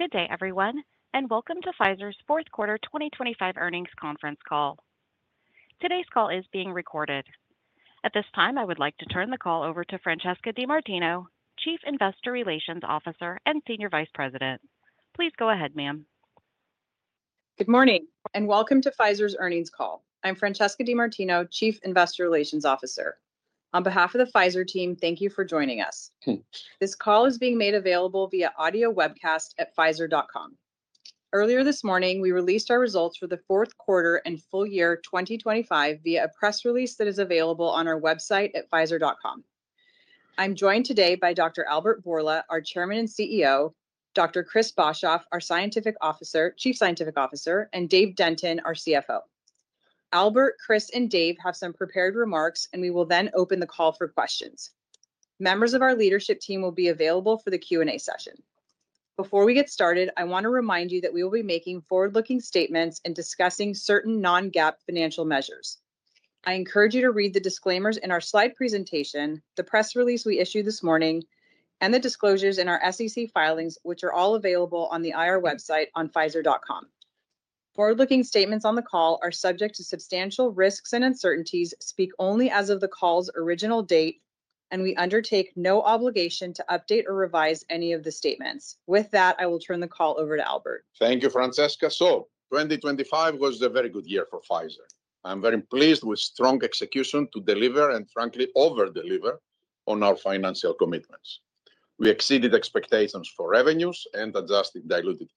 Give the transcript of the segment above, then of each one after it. Good day, everyone, and welcome to Pfizer's fourth quarter 2025 earnings conference call. Today's call is being recorded. At this time, I would like to turn the call over to Francesca DeMartino, Chief Investor Relations Officer and Senior Vice President. Please go ahead, ma'am. Good morning, and welcome to Pfizer's earnings call. I'm Francesca DeMartino, Chief Investor Relations Officer. On behalf of the Pfizer team, thank you for joining us. This call is being made available via audio webcast at pfizer.com. Earlier this morning, we released our results for the fourth quarter and full year 2025 via a press release that is available on our website at pfizer.com. I'm joined today by Dr. Albert Bourla, our Chairman and CEO, Dr. Chris Boshoff, our Chief Scientific Officer, and Dave Denton, our CFO. Albert, Chris, and Dave have some prepared remarks, and we will then open the call for questions. Members of our leadership team will be available for the Q&A session. Before we get started, I wanna remind you that we will be making forward-looking statements and discussing certain non-GAAP financial measures. I encourage you to read the disclaimers in our slide presentation, the press release we issued this morning, and the disclosures in our SEC filings, which are all available on the IR website on pfizer.com. Forward-looking statements on the call are subject to substantial risks and uncertainties, speak only as of the call's original date, and we undertake no obligation to update or revise any of the statements. With that, I will turn the call over to Albert. Thank you, Francesca. So 2025 was a very good year for Pfizer. I'm very pleased with strong execution to deliver, and frankly, over-deliver on our financial commitments. We exceeded expectations for revenues and adjusted diluted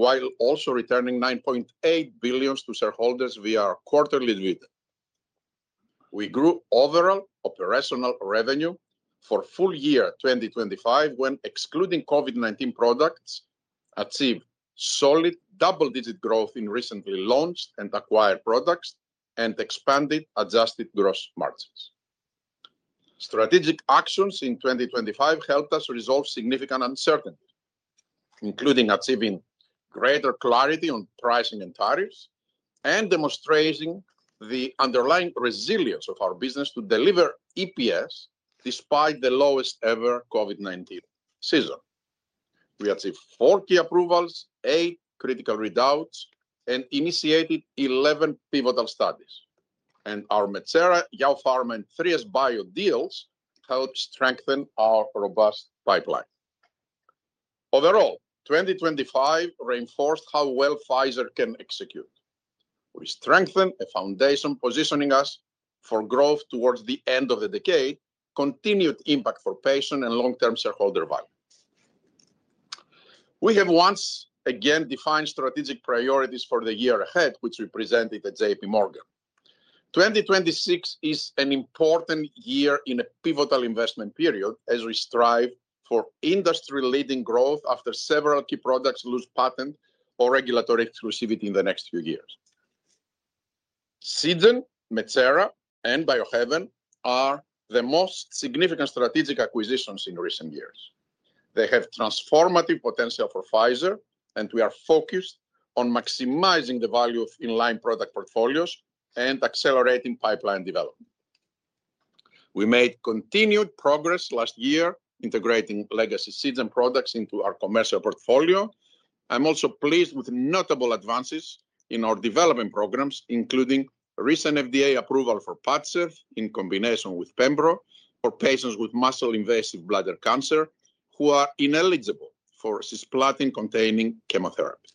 EPS, while also returning $9.8 billion to shareholders via our quarterly dividend. We grew overall operational revenue for full year 2025 when excluding COVID-19 products, achieved solid double-digit growth in recently launched and acquired products, and expanded adjusted gross margins. Strategic actions in 2025 helped us resolve significant uncertainty, including achieving greater clarity on pricing and tariffs, and demonstrating the underlying resilience of our business to deliver EPS, despite the lowest ever COVID-19 season. We achieved four key approvals, eight critical readouts, and initiated 11 pivotal studies. Our YaoPharma, and 3SBio deals helped strengthen our robust pipeline. Overall, 2025 reinforced how well Pfizer can execute. We strengthen the foundation, positioning us for growth toward the end of the decade, continued impact for patient and long-term shareholder value. We have once again defined strategic priorities for the year ahead, which we presented at JPMorgan. 2026 is an important year in a pivotal investment period as we strive for industry-leading growth after several key products lose patent or regulatory exclusivity in the next few years. Seagen, Metsera, and Biohaven are the most significant strategic acquisitions in recent years. They have transformative potential for Pfizer, and we are focused on maximizing the value of in-line product portfolios and accelerating pipeline development. We made continued progress last year integrating legacy Seagen products into our commercial portfolio. I'm also pleased with notable advances in our development programs, including a recent FDA approval for PADCEV in combination with pembro for patients with muscle-invasive bladder cancer who are ineligible for cisplatin-containing chemotherapy.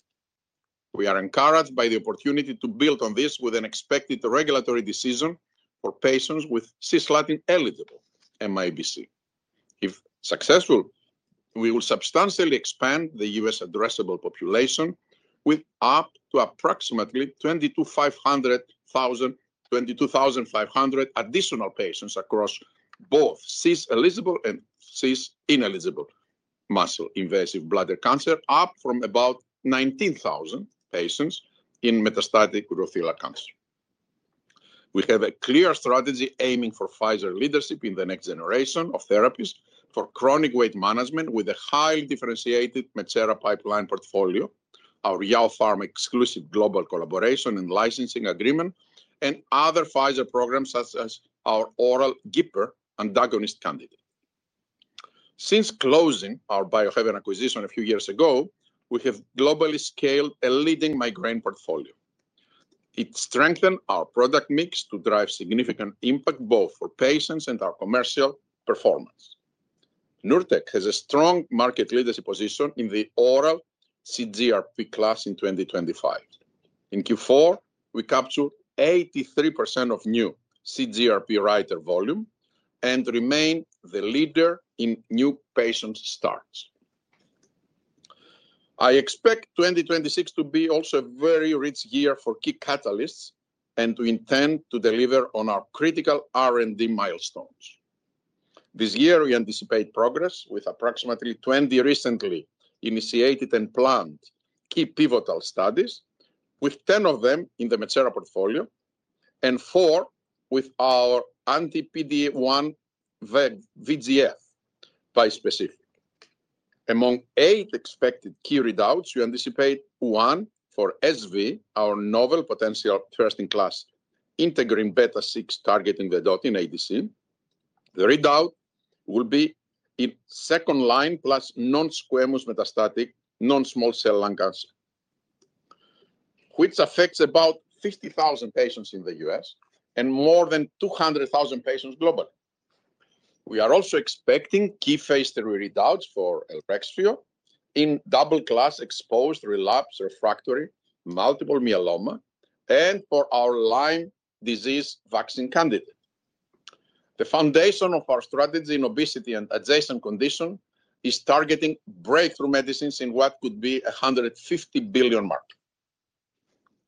We are encouraged by the opportunity to build on this with an expected regulatory decision for patients with cisplatin-eligible MIBC. If successful, we will substantially expand the U.S. addressable population with up to approximately 22,500 additional patients across both cis-eligible and cis-ineligible muscle-invasive bladder cancer, up from about 19,000 patients in metastatic urothelial cancer. We have a clear strategy aiming for Pfizer leadership in the next generation of therapies for chronic weight management with a highly differentiated Metsera pipeline portfolio, YaoPharma exclusive global collaboration and licensing agreement, and other Pfizer programs such as our oral GIP antagonist candidate. Since closing our Biohaven acquisition a few years ago, we have globally scaled a leading migraine portfolio. It strengthened our product mix to drive significant impact, both for patients and our commercial performance. Nurtec has a strong market leadership position in the oral CGRP class in 2025. In Q4, we captured 83% of new CGRP writer volume and remain the leader in new patient starts. I expect 2026 to be also a very rich year for key catalysts and to intend to deliver on our critical R&D milestones. This year, we anticipate progress with approximately 20 recently initiated and planned key pivotal studies, with 10 of them in the Metsera portfolio and four with our anti-PD-1 VEGF bispecific. Among eight expected key readouts, we anticipate one for SV, our novel potential first-in-class integrin beta-6 targeting vedotin ADC. The readout will be in second-line plus non-squamous metastatic non-small cell lung cancer, which affects about 50,000 patients in the U.S. and more than 200,000 patients globally. We are also expecting key phase III readouts for ELREXFIO in double-class exposed relapse/refractory multiple myeloma and for our Lyme disease vaccine candidate. The foundation of our strategy in obesity and adjacent condition is targeting breakthrough medicines in what could be a $150 billion market.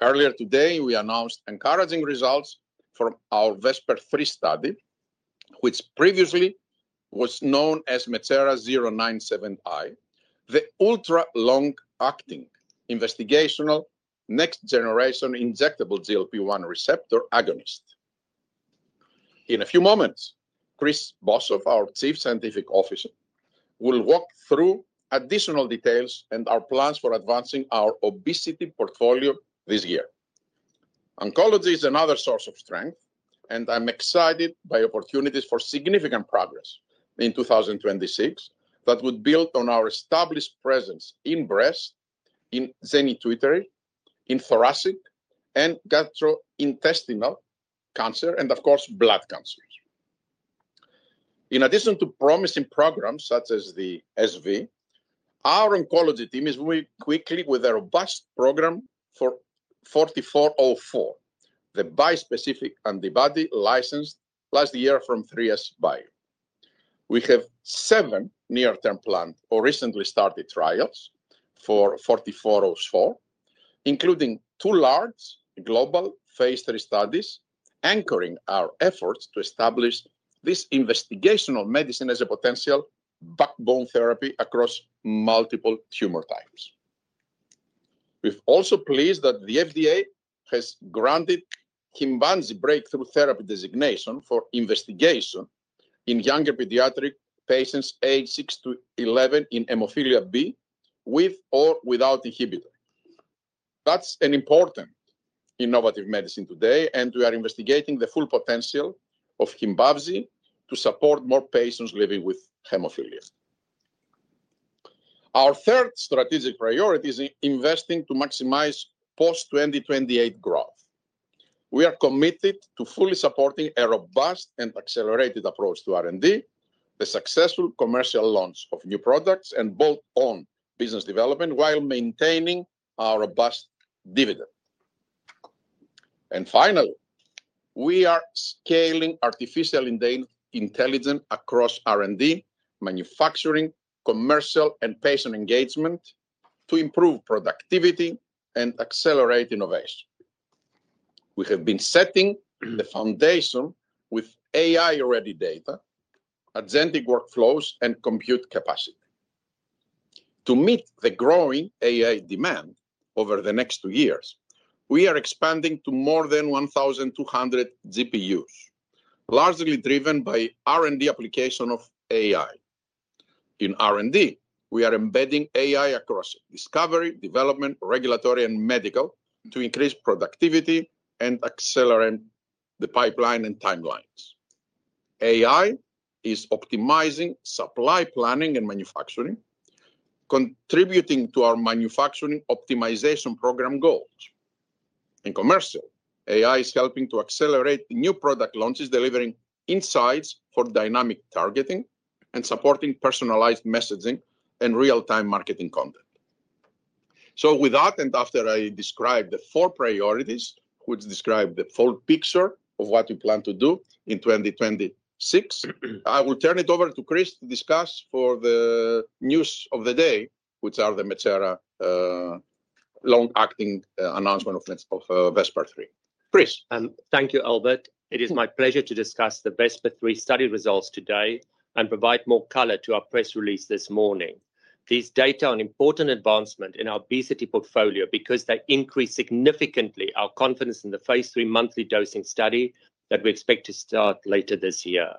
Earlier today, we announced encouraging results from our VESPER-3 study, which previously was known as Metsera 097i, the ultra long-acting investigational next-generation injectable GLP-1 receptor agonist. In a few moments, Chris Boshoff, our Chief Scientific Officer, will walk through additional details and our plans for advancing our obesity portfolio this year. Oncology is another source of strength, and I'm excited by opportunities for significant progress in 2026 that would build on our established presence in breast, in genitourinary, in thoracic, and gastrointestinal cancer, and of course, blood cancers. In addition to promising programs such as the SV, our oncology team is move quickly with a robust program for 4404, the bispecific antibody licensed last year from 3SBio. We have seven near-term planned or recently started trials for 4404, including two large global phase III studies, anchoring our efforts to establish this investigational medicine as a potential backbone therapy across multiple tumor types. We're also pleased that the FDA has granted HYMPAVZI breakthrough therapy designation for investigation in younger pediatric patients aged six to 11 in hemophilia B, with or without inhibitor. That's an important innovative medicine today, and we are investigating the full potential of HYMPAVZI to support more patients living with hemophilia. Our third strategic priority is investing to maximize post-2028 growth. We are committed to fully supporting a robust and accelerated approach to R&D, the successful commercial launch of new products, and build on business development while maintaining our robust dividend. And finally, we are scaling artificial intelligence across R&D, manufacturing, commercial, and patient engagement to improve productivity and accelerate innovation. We have been setting the foundation with AI-ready data, authentic workflows, and compute capacity. To meet the growing AI demand over the next two years, we are expanding to more than 1,200 GPUs, largely driven by R&D application of AI. In R&D, we are embedding AI across discovery, development, regulatory, and medical to increase productivity and accelerate the pipeline and timelines. AI is optimizing supply, planning, and manufacturing, contributing to our manufacturing optimization program goals. In commercial, AI is helping to accelerate new product launches, delivering insights for dynamic targeting, and supporting personalized messaging and real-time marketing content. So with that, and after I describe the four priorities, which describe the full picture of what we plan to do in 2026, I will turn it over to Chris to discuss the news of the day, which are the ultra long-acting announcement of VESPER-3. Chris? Thank you, Albert. It is my pleasure to discuss the VESPER-3 study results today and provide more color to our press release this morning. These data are an important advancement in our obesity portfolio because they increase significantly our confidence in the phase III monthly dosing study that we expect to start later this year.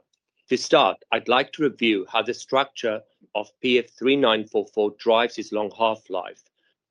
To start, I'd like to review how the structure of PF-3944 drives its long half-life.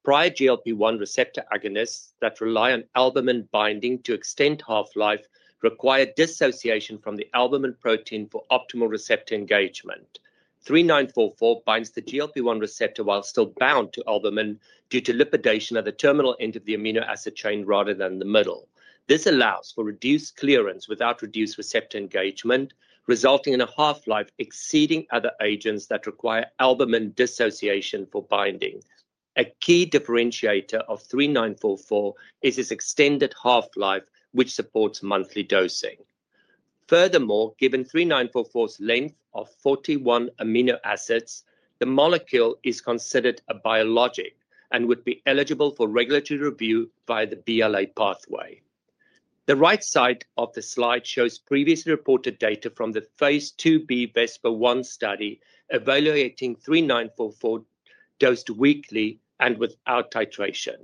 Prior GLP-1 receptor agonists that rely on albumin binding to extend half-life require dissociation from the albumin protein for optimal receptor engagement. 3944 binds the GLP-1 receptor while still bound to albumin due to lipidation at the terminal end of the amino acid chain rather than the middle. This allows for reduced clearance without reduced receptor engagement, resulting in a half-life exceeding other agents that require albumin dissociation for binding. A key differentiator of 3944 is its extended half-life, which supports monthly dosing. Furthermore, given 3944's length of 41 amino acids, the molecule is considered a biologic and would be eligible for regulatory review via the BLA pathway. The right side of the slide shows previously reported data from the phase II-B VESPER-1 study, evaluating 3944 dosed weekly and without titration.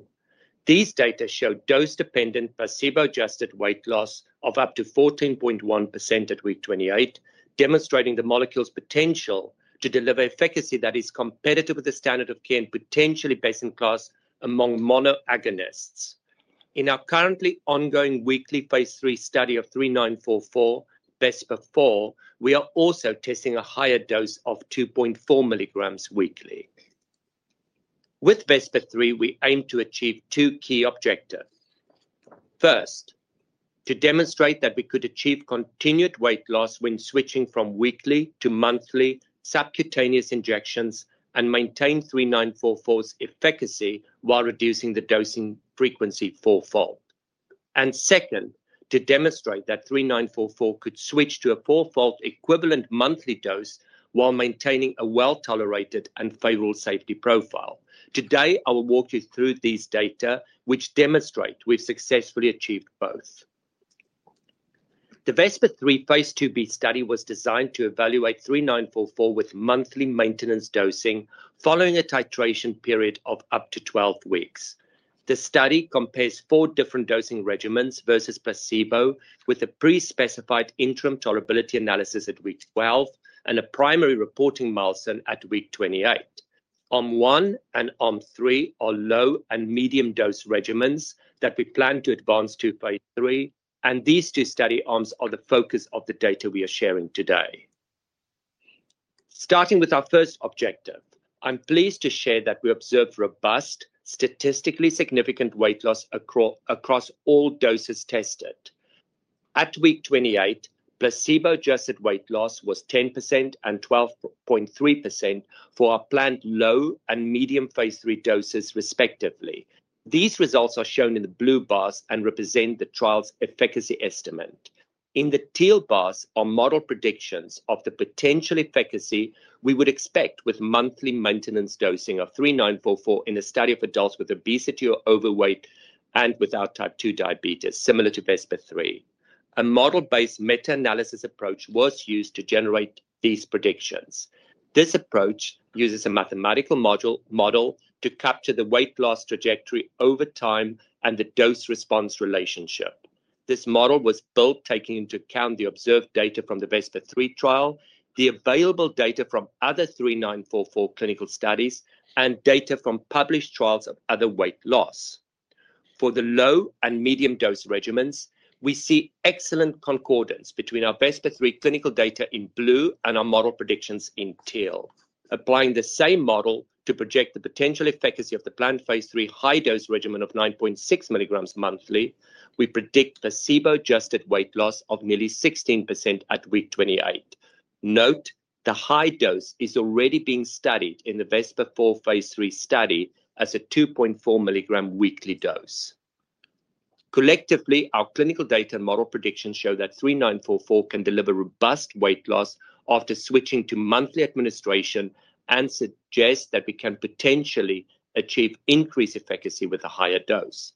These data show dose-dependent, placebo-adjusted weight loss of up to 14.1% at week 28, demonstrating the molecule's potential to deliver efficacy that is competitive with the standard of care and potentially best-in-class among mono agonists. In our currently ongoing weekly phase III study of 3944, VESPER-4, we are also testing a higher dose of 2.4 mg weekly. With VESPER-3, we aim to achieve two key objectives. First, to demonstrate that we could achieve continued weight loss when switching from weekly to monthly subcutaneous injections and maintain 3944's efficacy while reducing the dosing frequency fourfold. And second, to demonstrate that 3944 could switch to a fourfold equivalent monthly dose while maintaining a well-tolerated and favorable safety profile. Today, I will walk you through these data, which demonstrate we've successfully achieved both. The VESPER-3 phase II-B study was designed to evaluate 3944 with monthly maintenance dosing following a titration period of up to 12 weeks. The study compares four different dosing regimens versus placebo, with a pre-specified interim tolerability analysis at week 12 and a primary reporting milestone at week 28. Arm one and arm three are low and medium dose regimens that we plan to advance to phase III, and these two study arms are the focus of the data we are sharing today. Starting with our first objective, I'm pleased to share that we observed robust, statistically significant weight loss across all doses tested. At week 28, placebo-adjusted weight loss was 10% and 12.3% for our planned low and medium phase III doses, respectively. These results are shown in the blue bars and represent the trial's efficacy estimate. In the teal bars are model predictions of the potential efficacy we would expect with monthly maintenance dosing of 3944 in a study of adults with obesity or overweight and without type 2 diabetes, similar to VESPER-3. A model-based meta-analysis approach was used to generate these predictions. This approach uses a mathematical model to capture the weight loss trajectory over time and the dose-response relationship. This model was built taking into account the observed data from the VESPER-3 trial, the available data from other 3944 clinical studies, and data from published trials of other weight loss. For the low and medium dose regimens, we see excellent concordance between our VESPER-3 clinical data in blue and our model predictions in teal. Applying the same model to project the potential efficacy of the planned phase III high-dose regimen of 9.6 milligrams monthly, we predict placebo-adjusted weight loss of nearly 16% at week 28. Note, the high dose is already being studied in the VESPER-4 phase III study as a 2.4 mg weekly dose. Collectively, our clinical data model predictions show that 3944 can deliver robust weight loss after switching to monthly administration and suggest that we can potentially achieve increased efficacy with a higher dose.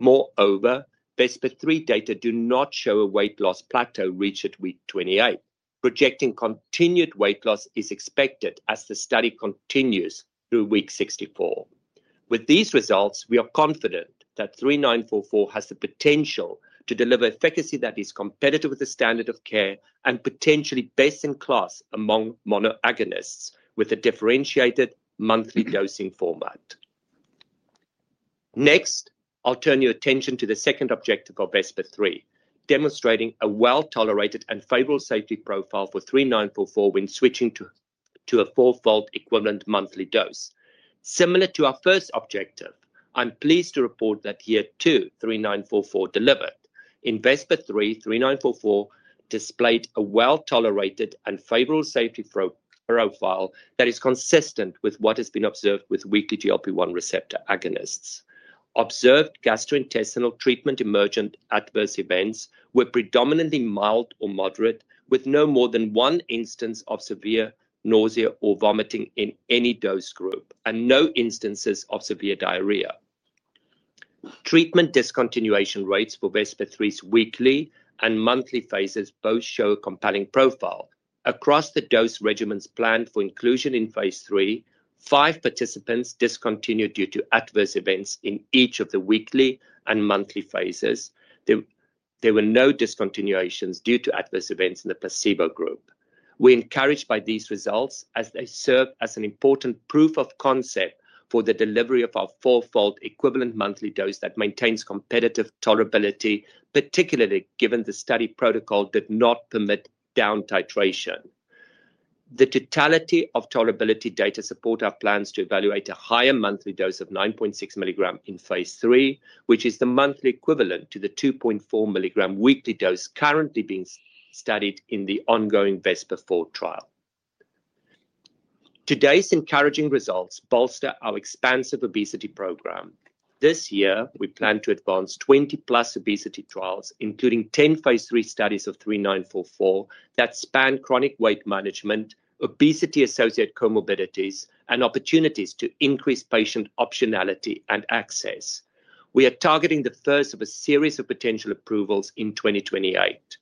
Moreover, VESPER-3 data do not show a weight loss plateau reached at week 28. Projecting continued weight loss is expected as the study continues through week 64. With these results, we are confident that 3944 has the potential to deliver efficacy that is competitive with the standard of care and potentially best in class among monoagonists, with a differentiated monthly dosing format. Next, I'll turn your attention to the second objective of VESPER-3, demonstrating a well-tolerated and favorable safety profile for 3944 when switching to a fourfold equivalent monthly dose. Similar to our first objective, I'm pleased to report that here, too, 3944 delivered. In VESPER-3, 3944 displayed a well-tolerated and favorable safety profile that is consistent with what has been observed with weekly GLP-1 receptor agonists. Observed gastrointestinal treatment emergent adverse events were predominantly mild or moderate, with no more than one instance of severe nausea or vomiting in any dose group and no instances of severe diarrhea. Treatment discontinuation rates for VESPER-3's weekly and monthly phases both show a compelling profile. Across the dose regimens planned for inclusion in phase III, five participants discontinued due to adverse events in each of the weekly and monthly phases. There were no discontinuations due to adverse events in the placebo group. We're encouraged by these results as they serve as an important proof of concept for the delivery of our fourfold equivalent monthly dose that maintains competitive tolerability, particularly given the study protocol did not permit down titration. The totality of tolerability data support our plans to evaluate a higher monthly dose of 9.6 mg in phase III, which is the monthly equivalent to the 2.4 mg weekly dose currently being studied in the ongoing VESPER-4 trial. Today's encouraging results bolster our expansive obesity program. This year, we plan to advance 20+ obesity trials, including 10 phase III studies of 3944, that span chronic weight management, obesity-associated comorbidities, and opportunities to increase patient optionality and access. We are targeting the first of a series of potential approvals in 2028.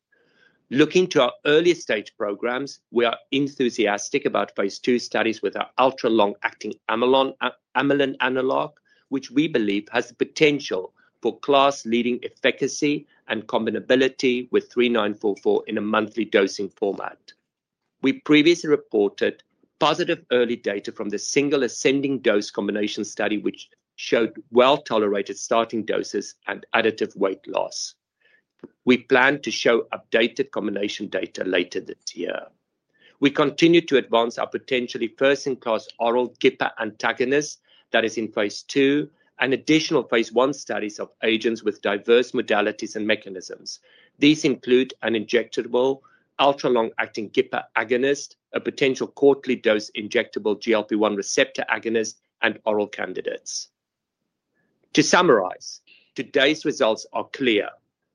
Looking to our early-stage programs, we are enthusiastic about phase II studies with our ultra-long-acting amylin analog, which we believe has the potential for class-leading efficacy and combinability with 3944 in a monthly dosing format.... We previously reported positive early data from the single ascending dose combination study, which showed well-tolerated starting doses and additive weight loss. We plan to show updated combination data later this year. We continue to advance our potentially first-in-class oral GLP-1 agonist that is in phase II, and additional phase I studies of agents with diverse modalities and mechanisms. These include an injectable ultra-long-acting GLP-1 agonist, a potential quarterly dose injectable GLP-1 receptor agonist, and oral candidates. To summarize, today's results are clear.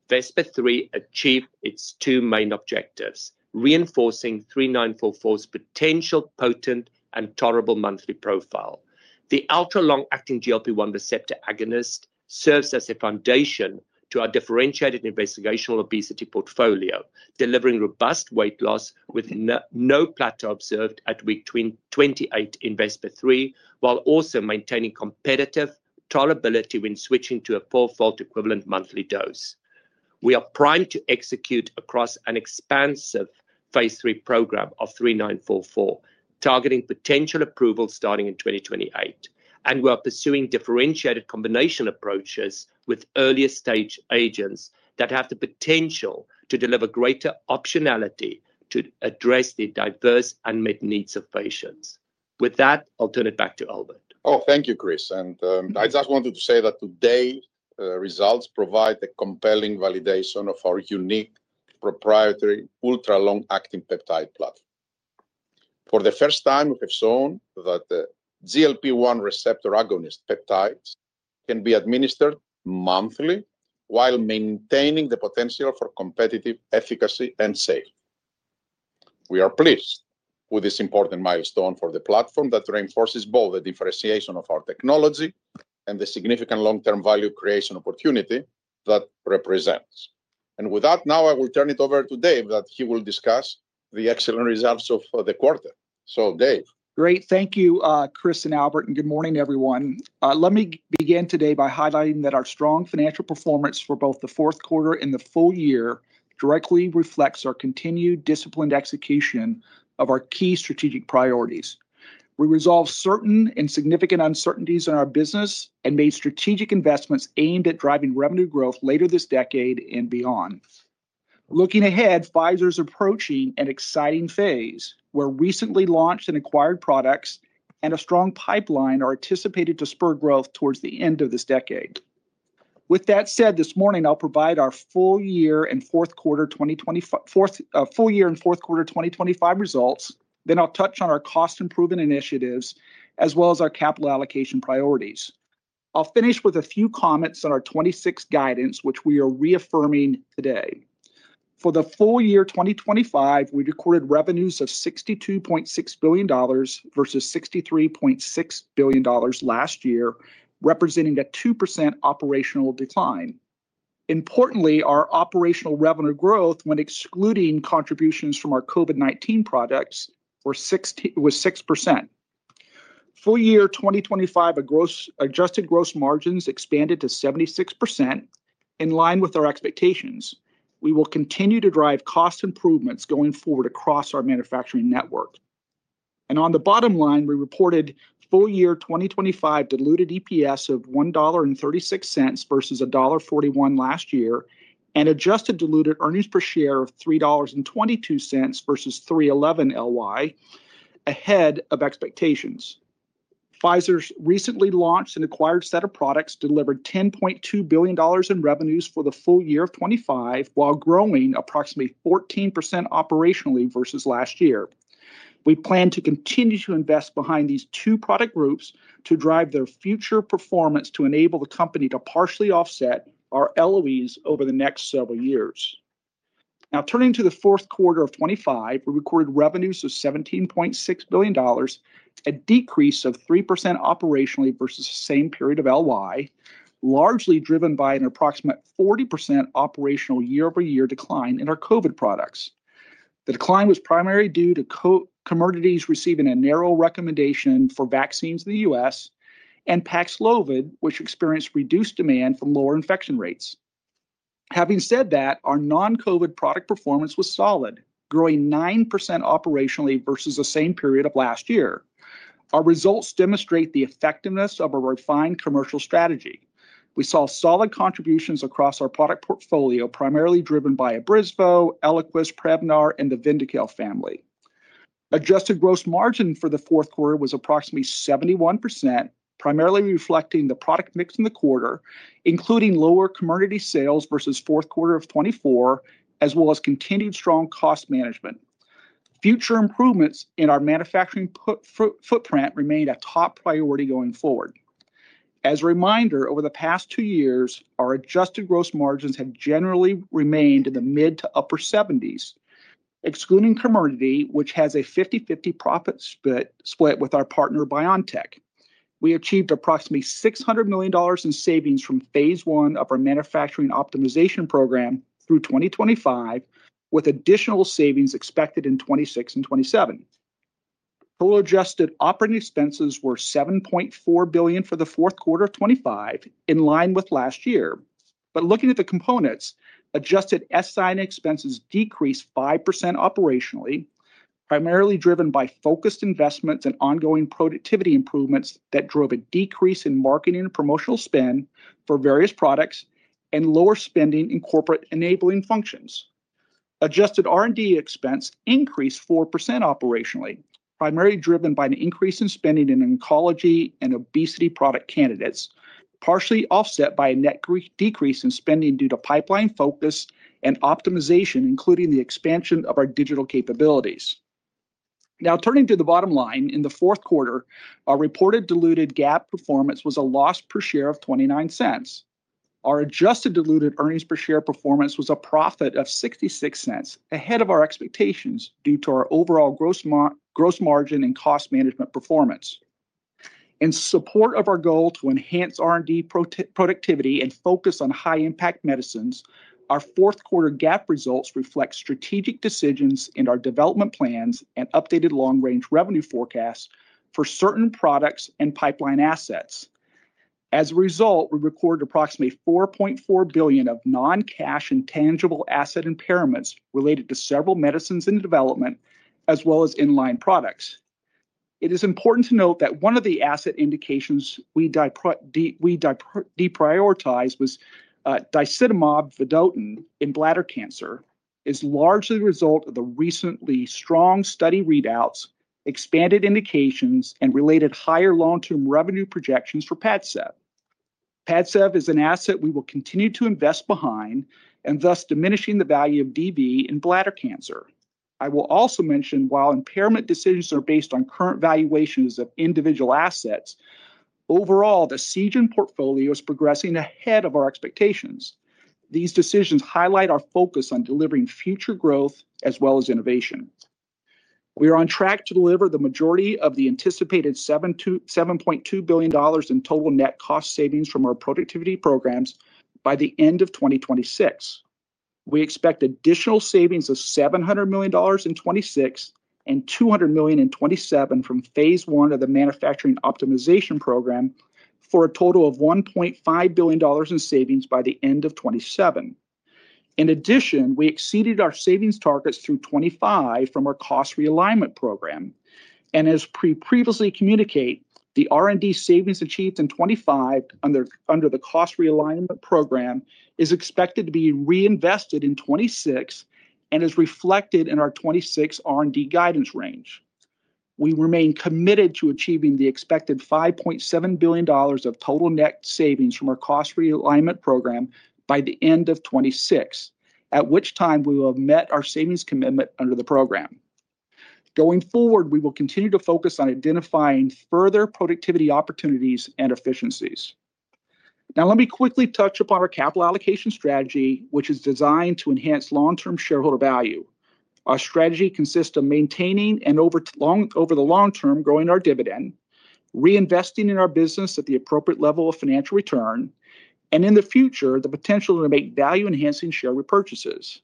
VESPER-3 achieved its two main objectives, reinforcing 3944's potential potent and tolerable monthly profile. The ultra-long-acting GLP-1 receptor agonist serves as a foundation to our differentiated investigational obesity portfolio, delivering robust weight loss with no plateau observed at week 28 in VESPER-3, while also maintaining competitive tolerability when switching to a full dose equivalent monthly dose. We are primed to execute across an expansive phase III program of 3944, targeting potential approval starting in 2028, and we are pursuing differentiated combination approaches with earlier stage agents that have the potential to deliver greater optionality to address the diverse unmet needs of patients. With that, I'll turn it back to Albert. Oh, thank you, Chris. And, I just wanted to say that today, results provide a compelling validation of our unique proprietary ultra long-acting peptide platform. For the first time, we have shown that the GLP-1 receptor agonist peptides can be administered monthly while maintaining the potential for competitive efficacy and safety. We are pleased with this important milestone for the platform that reinforces both the differentiation of our technology and the significant long-term value creation opportunity that represents. And with that, now I will turn it over to Dave, that he will discuss the excellent results of the quarter. So, Dave? Great. Thank you, Chris and Albert, and good morning, everyone. Let me begin today by highlighting that our strong financial performance for both the fourth quarter and the full year directly reflects our continued disciplined execution of our key strategic priorities. We resolved certain and significant uncertainties in our business and made strategic investments aimed at driving revenue growth later this decade and beyond. Looking ahead, Pfizer's approaching an exciting phase, where recently launched and acquired products and a strong pipeline are anticipated to spur growth towards the end of this decade. With that said, this morning I'll provide our full year and fourth quarter 2025 results. Then I'll touch on our cost improvement initiatives, as well as our capital allocation priorities. I'll finish with a few comments on our 2026 guidance, which we are reaffirming today. For the full year 2025, we recorded revenues of $62.6 billion versus $63.6 billion last year, representing a 2% operational decline. Importantly, our operational revenue growth when excluding contributions from our COVID-19 products was 6%. Full year 2025 adjusted gross margins expanded to 76%, in line with our expectations. We will continue to drive cost improvements going forward across our manufacturing network. And on the bottom line, we reported full year 2025 diluted EPS of $1.36 versus $1.41 last year, and adjusted diluted earnings per share of $3.22 versus $3.11 LY, ahead of expectations. Pfizer's recently launched and acquired set of products delivered $10.2 billion in revenues for the full year of 2025, while growing approximately 14% operationally versus last year. We plan to continue to invest behind these two product groups to drive their future performance to enable the company to partially offset our LOEs over the next several years. Now, turning to the fourth quarter of 2025, we recorded revenues of $17.6 billion, a decrease of 3% operationally versus the same period of LY, largely driven by an approximate 40% operational year-over-year decline in our COVID products. The decline was primarily due to COMIRNATY receiving a narrow recommendation for vaccines in the U.S., and PAXLOVID, which experienced reduced demand from lower infection rates. Having said that, our non-COVID product performance was solid, growing 9% operationally versus the same period of last year. Our results demonstrate the effectiveness of a refined commercial strategy. We saw solid contributions across our product portfolio, primarily driven by ABRYSVO, ELIQUIS, PREVNAR, and the VYNDAQEL family. Adjusted gross margin for the fourth quarter was approximately 71%, primarily reflecting the product mix in the quarter, including lower COMIRNATY sales versus fourth quarter of 2024, as well as continued strong cost management. Future improvements in our manufacturing footprint remain a top priority going forward. As a reminder, over the past two years, our adjusted gross margins have generally remained in the mid- to upper 70s%, excluding COMIRNATY, which has a 50/50 profit split with our partner, BioNTech. We achieved approximately $600 million in savings from phase I of our manufacturing optimization program through 2025, with additional savings expected in 2026 and 2027.... Total adjusted operating expenses were $7.4 billion for the fourth quarter of 2025, in line with last year. But looking at the components, adjusted SI expenses decreased 5% operationally, primarily driven by focused investments and ongoing productivity improvements that drove a decrease in marketing and promotional spend for various products and lower spending in corporate enabling functions. Adjusted R&D expense increased 4% operationally, primarily driven by an increase in spending in oncology and obesity product candidates, partially offset by a net decrease in spending due to pipeline focus and optimization, including the expansion of our digital capabilities. Now, turning to the bottom line, in the fourth quarter, our reported diluted GAAP performance was a loss per share of $0.29. Our adjusted diluted earnings per share performance was a profit of $0.66, ahead of our expectations, due to our overall gross margin and cost management performance. In support of our goal to enhance R&D productivity and focus on high-impact medicines, our fourth quarter GAAP results reflect strategic decisions in our development plans and updated long-range revenue forecasts for certain products and pipeline assets. As a result, we recorded approximately $4.4 billion of non-cash and tangible asset impairments related to several medicines in development, as well as in-line products. It is important to note that one of the asset indications we deprioritized was disitamab vedotin in bladder cancer, is largely the result of the recent strong study readouts, expanded indications, and related higher long-term revenue projections for PADCEV. PADCEV is an asset we will continue to invest behind and thus diminishing the value of DV in bladder cancer. I will also mention, while impairment decisions are based on current valuations of individual assets, overall, the Seagen portfolio is progressing ahead of our expectations. These decisions highlight our focus on delivering future growth as well as innovation. We are on track to deliver the majority of the anticipated $7.2 billion in total net cost savings from our productivity programs by the end of 2026. We expect additional savings of $700 million in 2026 and $200 million in 2027 from phase I of the manufacturing optimization program, for a total of $1.5 billion in savings by the end of 2027. In addition, we exceeded our savings targets through 2025 from our cost realignment program, and as previously communicated, the R&D savings achieved in 2025 under the cost realignment program is expected to be reinvested in 2026 and is reflected in our 2026 R&D guidance range. We remain committed to achieving the expected $5.7 billion of total net savings from our cost realignment program by the end of 2026, at which time we will have met our savings commitment under the program. Going forward, we will continue to focus on identifying further productivity opportunities and efficiencies. Now, let me quickly touch upon our capital allocation strategy, which is designed to enhance long-term shareholder value. Our strategy consists of maintaining and over the long term, growing our dividend, reinvesting in our business at the appropriate level of financial return, and in the future, the potential to make value-enhancing share repurchases.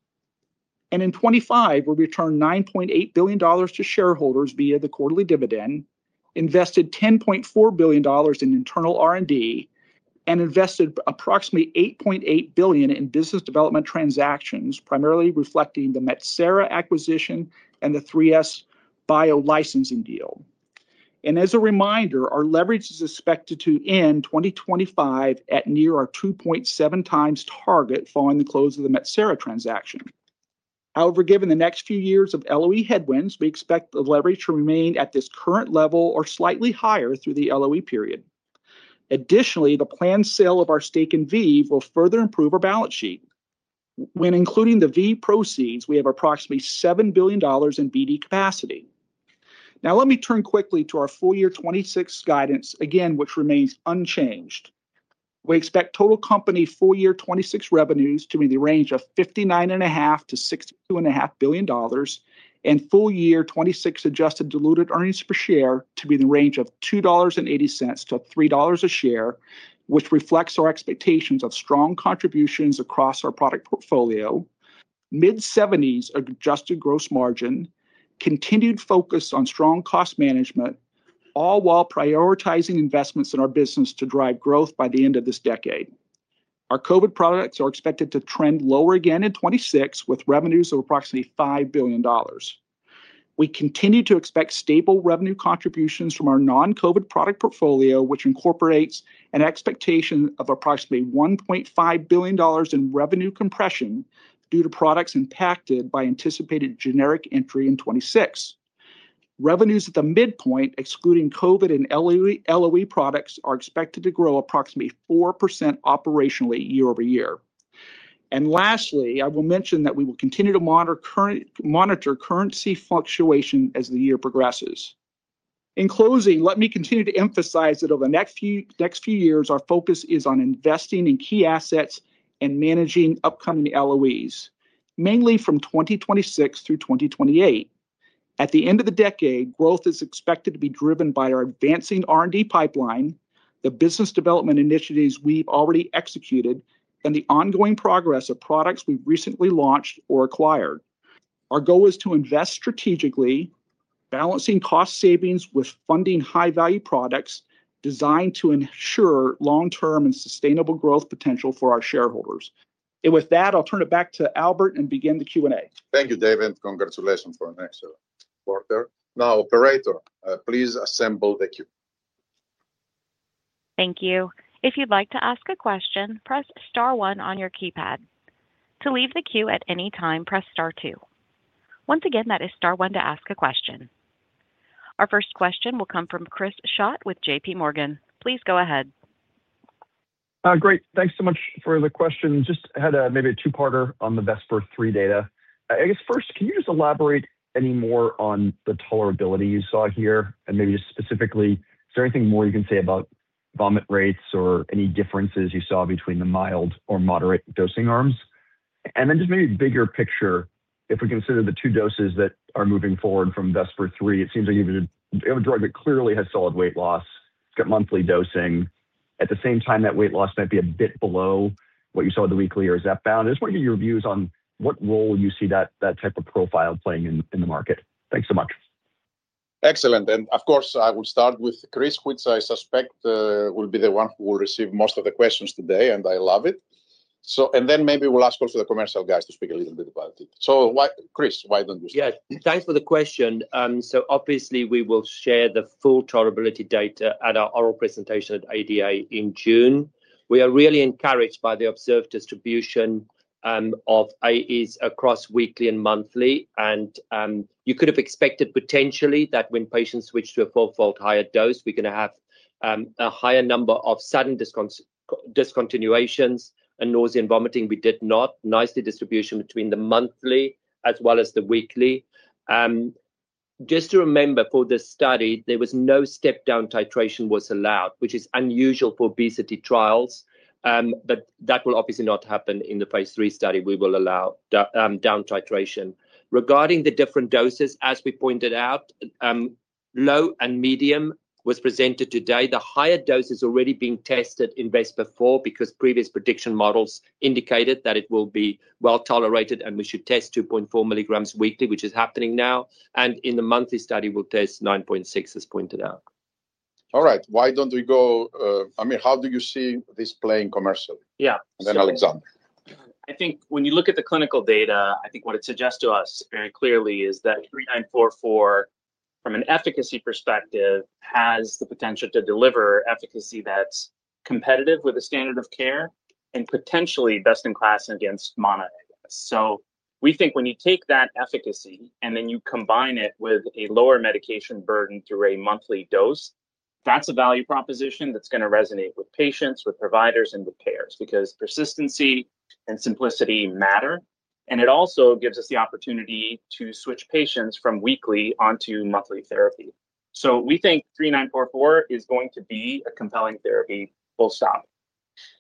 In 2025, we returned $9.8 billion to shareholders via the quarterly dividend, invested $10.4 billion in internal R&D, and invested approximately $8.8 billion in business development transactions, primarily reflecting the Metsera acquisition and the 3SBio licensing deal. And as a reminder, our leverage is expected to end 2025 at near our 2.7x target, following the close of the Metsera transaction. However, given the next few years of LOE headwinds, we expect the leverage to remain at this current level or slightly higher through the LOE period. Additionally, the planned sale of our stake in ViiV will further improve our balance sheet. When including the ViiV proceeds, we have approximately $7 billion in BD capacity. Now, let me turn quickly to our full year 2026 guidance again, which remains unchanged. We expect total company full year 2026 revenues to be in the range of $59.5 billion-$62.5 billion, and full year 2026 adjusted diluted earnings per share to be in the range of $2.80-$3.00 a share, which reflects our expectations of strong contributions across our product portfolio. Mid-70s adjusted gross margin, continued focus on strong cost management, all while prioritizing investments in our business to drive growth by the end of this decade. Our COVID products are expected to trend lower again in 2026, with revenues of approximately $5 billion. We continue to expect stable revenue contributions from our non-COVID product portfolio, which incorporates an expectation of approximately $1.5 billion in revenue compression due to products impacted by anticipated generic entry in 2026. Revenues at the midpoint, excluding COVID and LOE, LOE products, are expected to grow approximately 4% operationally year-over-year. And lastly, I will mention that we will continue to monitor currency fluctuation as the year progresses. In closing, let me continue to emphasize that over the next few, next few years, our focus is on investing in key assets and managing upcoming LOEs, mainly from 2026 through 2028. At the end of the decade, growth is expected to be driven by our advancing R&D pipeline, the business development initiatives we've already executed, and the ongoing progress of products we've recently launched or acquired.... Our goal is to invest strategically, balancing cost savings with funding high-value products designed to ensure long-term and sustainable growth potential for our shareholders. With that, I'll turn it back to Albert and begin the Q&A. Thank you, David. Congratulations for an excellent quarter. Now, operator, please assemble the queue. Thank you. If you'd like to ask a question, press star one on your keypad. To leave the queue at any time, press star two. Once again, that is star one to ask a question. Our first question will come from Chris Schott with JPMorgan. Please go ahead. Great. Thanks so much for the question. Just had maybe a two-parter on the VESPER-3 data. I guess first, can you just elaborate any more on the tolerability you saw here, and maybe just specifically, is there anything more you can say about vomit rates or any differences you saw between the mild or moderate dosing arms? And then just maybe bigger picture, if we consider the two doses that are moving forward from VESPER-3, it seems like you have a drug that clearly has solid weight loss. It's got monthly dosing. At the same time, that weight loss might be a bit below what you saw with the weekly or Zepbound. I just wonder your views on what role you see that type of profile playing in the market. Thanks so much. Excellent, and of course, I will start with Chris, which I suspect will be the one who will receive most of the questions today, and I love it. So... and then maybe we'll ask also the commercial guys to speak a little bit about it. So why, Chris, why don't you start? Yeah, thanks for the question. So obviously, we will share the full tolerability data at our oral presentation at ADA in June. We are really encouraged by the observed distribution of AEs across weekly and monthly. And, you could have expected potentially that when patients switch to a four-fold higher dose, we're gonna have a higher number of sudden discontinuation, and nausea and vomiting. We did not. Nice, the distribution between the monthly as well as the weekly. Just to remember for this study, there was no step-down titration was allowed, which is unusual for obesity trials, but that will obviously not happen in the phase III study. We will allow down titration. Regarding the different doses, as we pointed out, low and medium was presented today. The higher dose is already being tested in phase III, because previous prediction models indicated that it will be well-tolerated, and we should test 2.4 mg weekly, which is happening now, and in the monthly study, we'll test 9.6, as pointed out. All right. Why don't we go, Aamir, how do you see this playing commercial? Yeah. And then Alexandre. I think when you look at the clinical data, I think what it suggests to us very clearly is that 3944, from an efficacy perspective, has the potential to deliver efficacy that's competitive with the standard of care and potentially best in class against mono. So we think when you take that efficacy, and then you combine it with a lower medication burden through a monthly dose, that's a value proposition that's gonna resonate with patients, with providers, and with payers, because persistency and simplicity matter. And it also gives us the opportunity to switch patients from weekly onto monthly therapy. So we think 3944 is going to be a compelling therapy, full stop.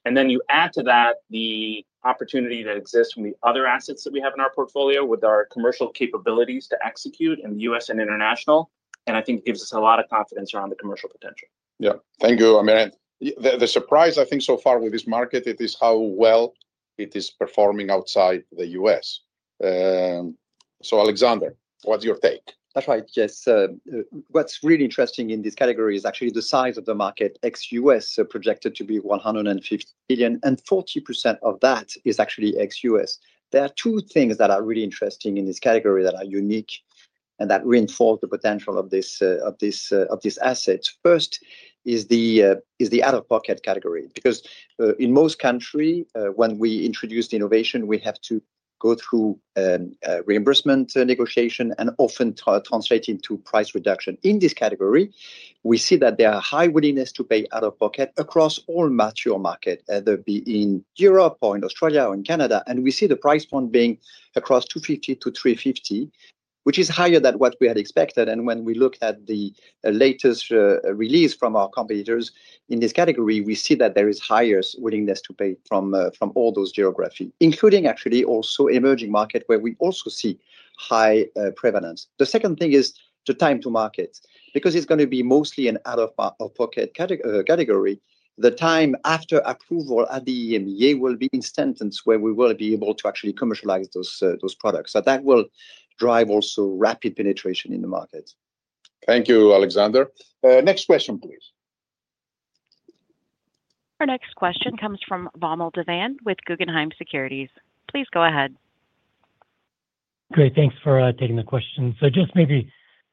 And then you add to that the opportunity that exists from the other assets that we have in our portfolio with our commercial capabilities to execute in the U.S. and international, and I think gives us a lot of confidence around the commercial potential. Yeah. Thank you. I mean, the surprise, I think, so far with this market, it is how well it is performing outside the U.S. So Alexandre, what's your take? That's right, yes. What's really interesting in this category is actually the size of the market, ex-U.S., are projected to be $150 billion, and 40% of that is actually ex-U.S. There are two things that are really interesting in this category that are unique and that reinforce the potential of this asset. First is the out-of-pocket category, because in most country, when we introduce the innovation, we have to go through reimbursement negotiation and often translating to price reduction. In this category, we see that there are high willingness to pay out of pocket across all mature market, whether it be in Europe or in Australia or in Canada, and we see the price point being across $250-$350, which is higher than what we had expected. When we look at the latest release from our competitors in this category, we see that there is highest willingness to pay from all those geographies, including actually also emerging markets, where we also see high prevalence. The second thing is the time to market, because it's gonna be mostly an out-of-pocket category. The time after approval at the EMA will be incentivized, where we will be able to actually commercialize those products, so that will drive also rapid penetration in the market. Thank you, Alexandre. Next question, please. Our next question comes from Vamil Divan with Guggenheim Securities. Please go ahead. Great. Thanks for taking the question. So just maybe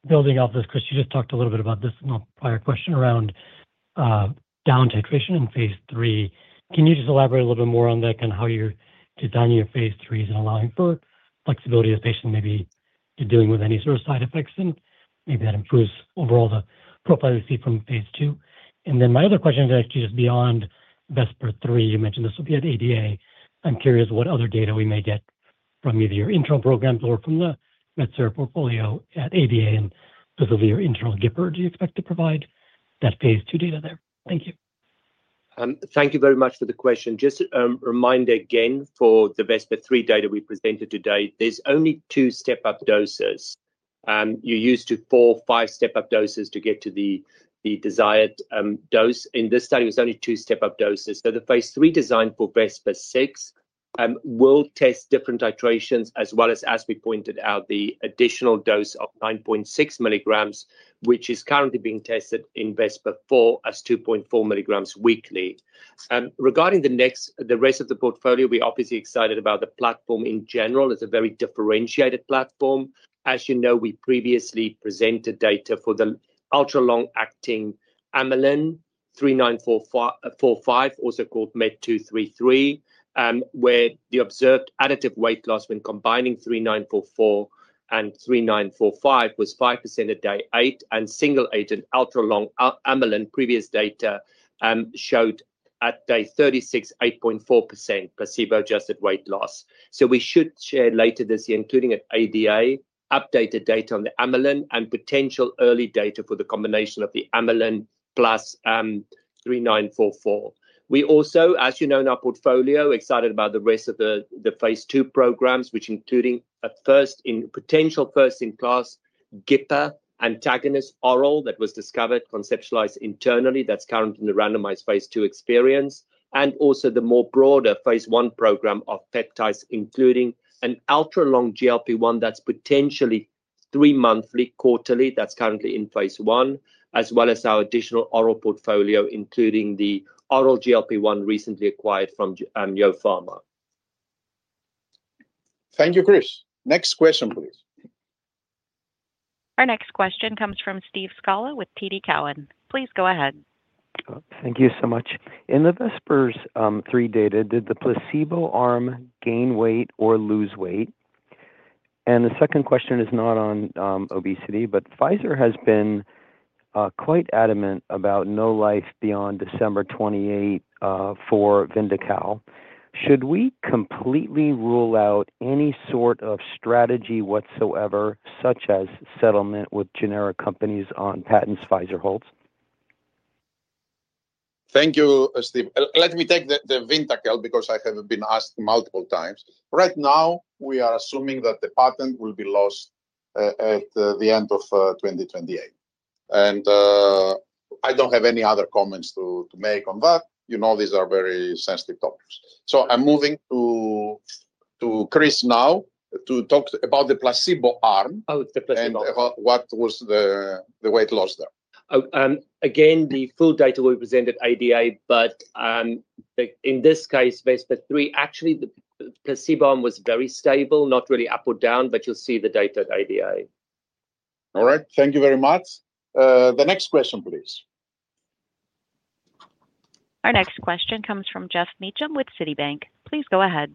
building off this, Chris, you just talked a little bit about this in a prior question around down titration in phase III. Can you just elaborate a little bit more on that, on how you're designing your phase IIIs and allowing for flexibility of patient maybe dealing with any sort of side effects, and maybe that improves overall the efficacy from phase II? And then my other question is actually just beyond VESPER-3. You mentioned this will be at ADA. I'm curious what other data we may get from either your internal programs or from the Metsera portfolio at ADA, and specifically your internal GIP, do you expect to provide that phase II data there? Thank you. Thank you very much for the question. Just a reminder again, for the VESPER-3 data we presented today, there's only two step-up doses. You use to four, five step-up doses to get to the, the desired dose. In this study, it was only two step-up doses. So the phase III design for VESPER-6 will test different titrations as well as, as we pointed out, the additional dose of 9.6 mg, which is currently being tested in VESPER-4 as 2.4 mg weekly. Regarding the rest of the portfolio, we're obviously excited about the platform in general, it's a very differentiated platform. As you know, we previously presented data for the ultra long-acting amylin, 3945, also called MET-233, where the observed additive weight loss when combining 3944 and 3945 was 5% at day eight, and single agent ultra long-acting amylin previous data showed at day 36, 8.4% placebo-adjusted weight loss. So we should share later this year, including at ADA, updated data on the amylin and potential early data for the combination of the amylin plus 3944. We also, as you know, in our portfolio, excited about the rest of the phase II programs, which including a potential first-in-class GLP antagonist oral that was discovered, conceptualized internally. That's current in the randomized phase II experience, and also the more broader phase I program of peptides, including an ultra-long GLP-1 that's potentially three monthly, quarterly, that's currently in phase I, as well as our additional oral portfolio, including the oral GLP-1 recently acquired from YaoPharma. Thank you, Chris. Next question, please. Our next question comes from Steve Scala with TD Cowen. Please go ahead. Thank you so much. In the VESPER-3 data, did the placebo arm gain weight or lose weight? And the second question is not on obesity, but Pfizer has been quite adamant about no life beyond December 2028 for VYNDAQEL. Should we completely rule out any sort of strategy whatsoever, such as settlement with generic companies on patents Pfizer holds? Thank you, Steve. Let me take the VYNDAQEL, because I have been asked multiple times. Right now, we are assuming that the patent will be lost at the end of 2028. And, I don't have any other comments to make on that. You know, these are very sensitive topics. So I'm moving to Chris now to talk about the placebo arm- Oh, the placebo.... and about what was the weight loss there. Again, the full data will be presented at ADA, but in this case, VESPER-3, actually, the placebo arm was very stable, not really up or down, but you'll see the data at ADA. All right. Thank you very much. The next question, please. Our next question comes from Geoff Meacham with Citibank. Please go ahead.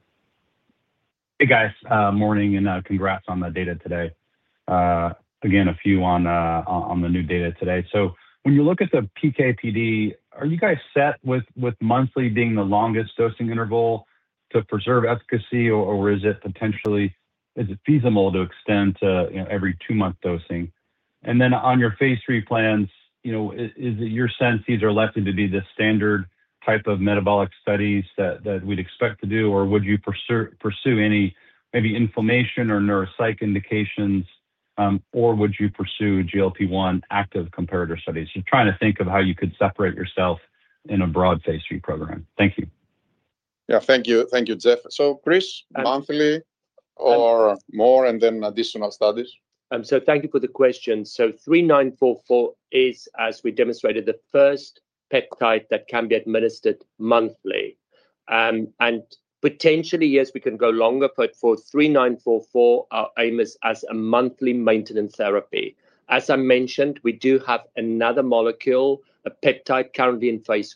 Hey, guys, morning, and congrats on the data today. Again, a few on the new data today. So when you look at the PK/PD, are you guys set with monthly being the longest dosing interval to preserve efficacy? Or is it potentially feasible to extend to, you know, every two-month dosing? And then on your phase III plans, you know, is it your sense these are likely to be the standard type of metabolic studies that we'd expect to do, or would you pursue any maybe inflammation or neuropsych indications, or would you pursue GLP-1 active comparator studies? I'm trying to think of how you could separate yourself in a broad phase III program. Thank you. Yeah. Thank you. Thank you, Geoff. So Chris, monthly or more, and then additional studies? So thank you for the question. So 3944 is, as we demonstrated, the first peptide that can be administered monthly. And potentially, yes, we can go longer, but for 3944, our aim is as a monthly maintenance therapy. As I mentioned, we do have another molecule, a peptide currently in phase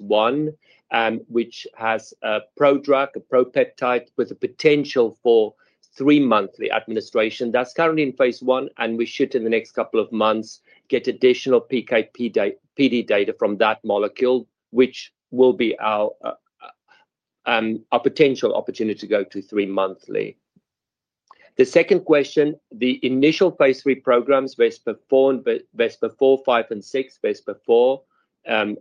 I, which has a prodrug, a propeptide, with a potential for three-monthly administration. That's currently in phase I, and we should, in the next couple of months, get additional PK/PD data from that molecule, which will be our a potential opportunity to go to three-monthly. The second question, the initial phase III programs, VESPER-4, VESPER-5, and VESPER-6. VESPER-4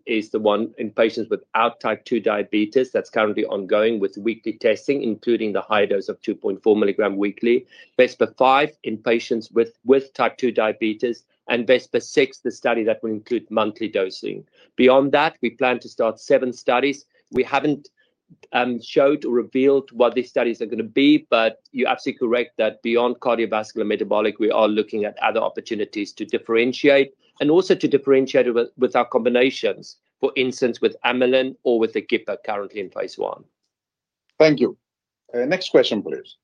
is the one in patients without type 2 diabetes. That's currently ongoing with weekly testing, including the high dose of 2.4 mg weekly. VESPER 5 in patients with type 2 diabetes, and VESPER 6, the study that will include monthly dosing. Beyond that, we plan to start seven studies. We haven't showed or revealed what these studies are gonna be, but you're absolutely correct that beyond cardiovascular and metabolic, we are looking at other opportunities to differentiate and also to differentiate with our combinations, for instance, with amylin or with the GLP currently in phase I. Thank you. Next question, please.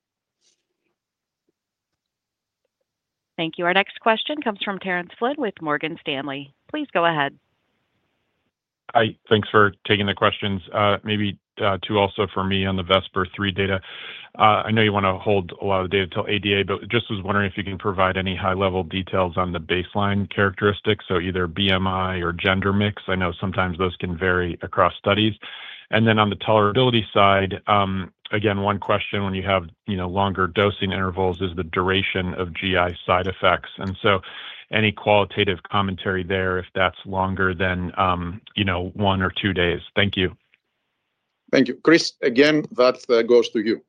Thank you. Our next question comes from Terence Flynn with Morgan Stanley. Please go ahead. Hi, thanks for taking the questions. Maybe two also for me on the VESPER-3 data. I know you want to hold a lot of the data till ADA, but just was wondering if you can provide any high-level details on the baseline characteristics, so either BMI or gender mix. I know sometimes those can vary across studies. And then on the tolerability side, again, one question when you have, you know, longer dosing intervals, is the duration of GI side effects. And so any qualitative commentary there, if that's longer than, you know, one or two days? Thank you.... Thank you. Chris, again, that goes to you.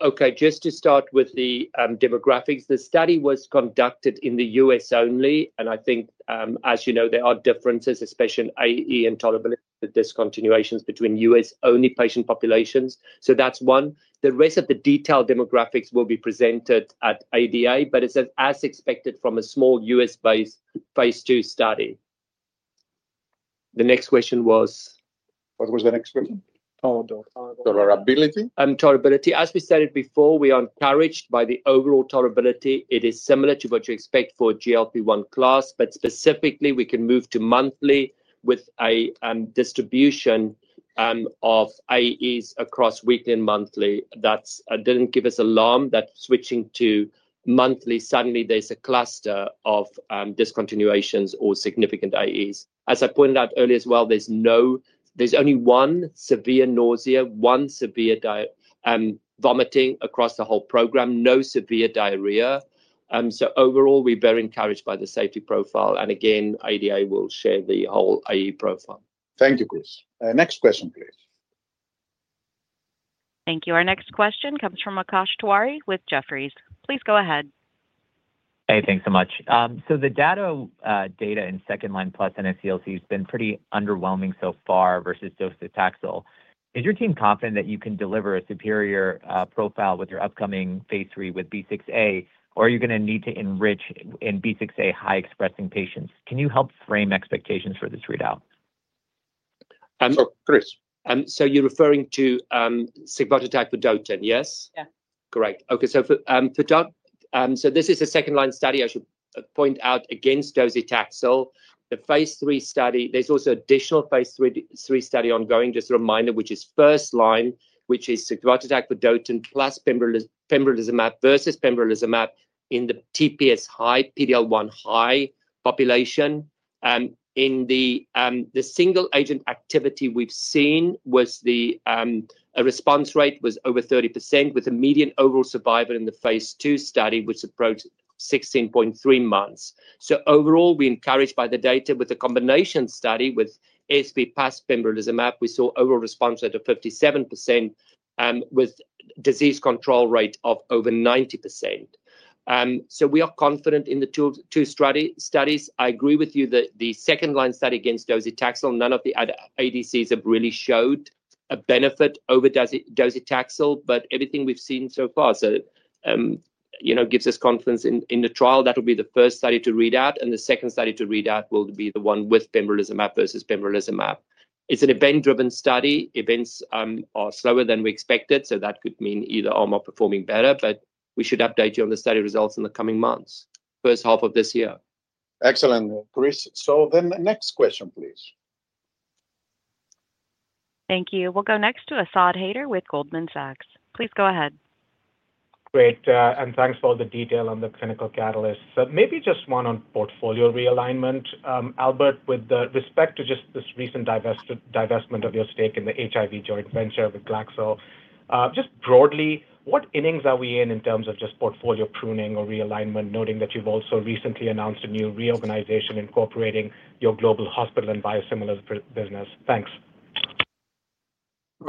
Okay, just to start with the demographics. The study was conducted in the U.S. only, and I think, as you know, there are differences, especially in AE and tolerability, the discontinuations between U.S.-only patient populations. So that's one. The rest of the detailed demographics will be presented at ADA, but it's as expected from a small U.S.-based phase II study. The next question was? What was the next question? Oh, tolerability. Tolerability. Tolerability. As we stated before, we are encouraged by the overall tolerability. It is similar to what you expect for a GLP-1 class, but specifically, we can move to monthly with a distribution of AEs across weekly and monthly. That didn't give us alarm that switching to monthly, suddenly there's a cluster of discontinuations or significant AEs. As I pointed out earlier as well, there's only one severe nausea, one severe vomiting across the whole program, no severe diarrhea. So overall, we're very encouraged by the safety profile, and again, I'll share the whole AE profile. Thank you, Chris. Next question, please. Thank you. Our next question comes from Akash Tewari with Jefferies. Please go ahead. Hey, thanks so much. The data, data in second-line plus mCLCs has been pretty underwhelming so far versus docetaxel. Is your team confident that you can deliver a superior profile with your upcoming phase III with B6A, or are you gonna need to enrich in B6A high-expressing patients? Can you help frame expectations for this readout? Um, Chris. So you're referring to sigvotatug vedotin, yes? Yeah. Great. Okay, so this is a second-line study, I should point out, against docetaxel. The phase III study, there's also additional phase III study ongoing, just a reminder, which is first-line, which is sigvotatug vedotin plus pembrolizumab versus pembrolizumab in the TPS high, PD-L1 high population. In the single-agent activity we've seen, the response rate was over 30%, with a median overall survival in the phase II study, which approached 16.3 months. So overall, we're encouraged by the data. With the combination study with SV plus pembrolizumab, we saw overall response rate of 57%, with disease control rate of over 90%. So we are confident in the two studies. I agree with you that the second-line study against docetaxel, none of the other ADCs have really showed a benefit over docetaxel, but everything we've seen so far, so, you know, gives us confidence in the trial. That will be the first study to read out, and the second study to read out will be the one with pembrolizumab versus pembrolizumab. It's an event-driven study. Events are slower than we expected, so that could mean either arm are performing better, but we should update you on the study results in the coming months, first half of this year. Excellent, Chris. So then the next question, please. Thank you. We'll go next to Asad Haider with Goldman Sachs. Please go ahead. Great, and thanks for all the detail on the clinical catalysts. So maybe just one on portfolio realignment. Albert, with respect to just this recent divestment of your stake in the HIV joint venture with Glaxo, just broadly, what innings are we in, in terms of just portfolio pruning or realignment, noting that you've also recently announced a new reorganization incorporating your global hospital and biosimilar business? Thanks.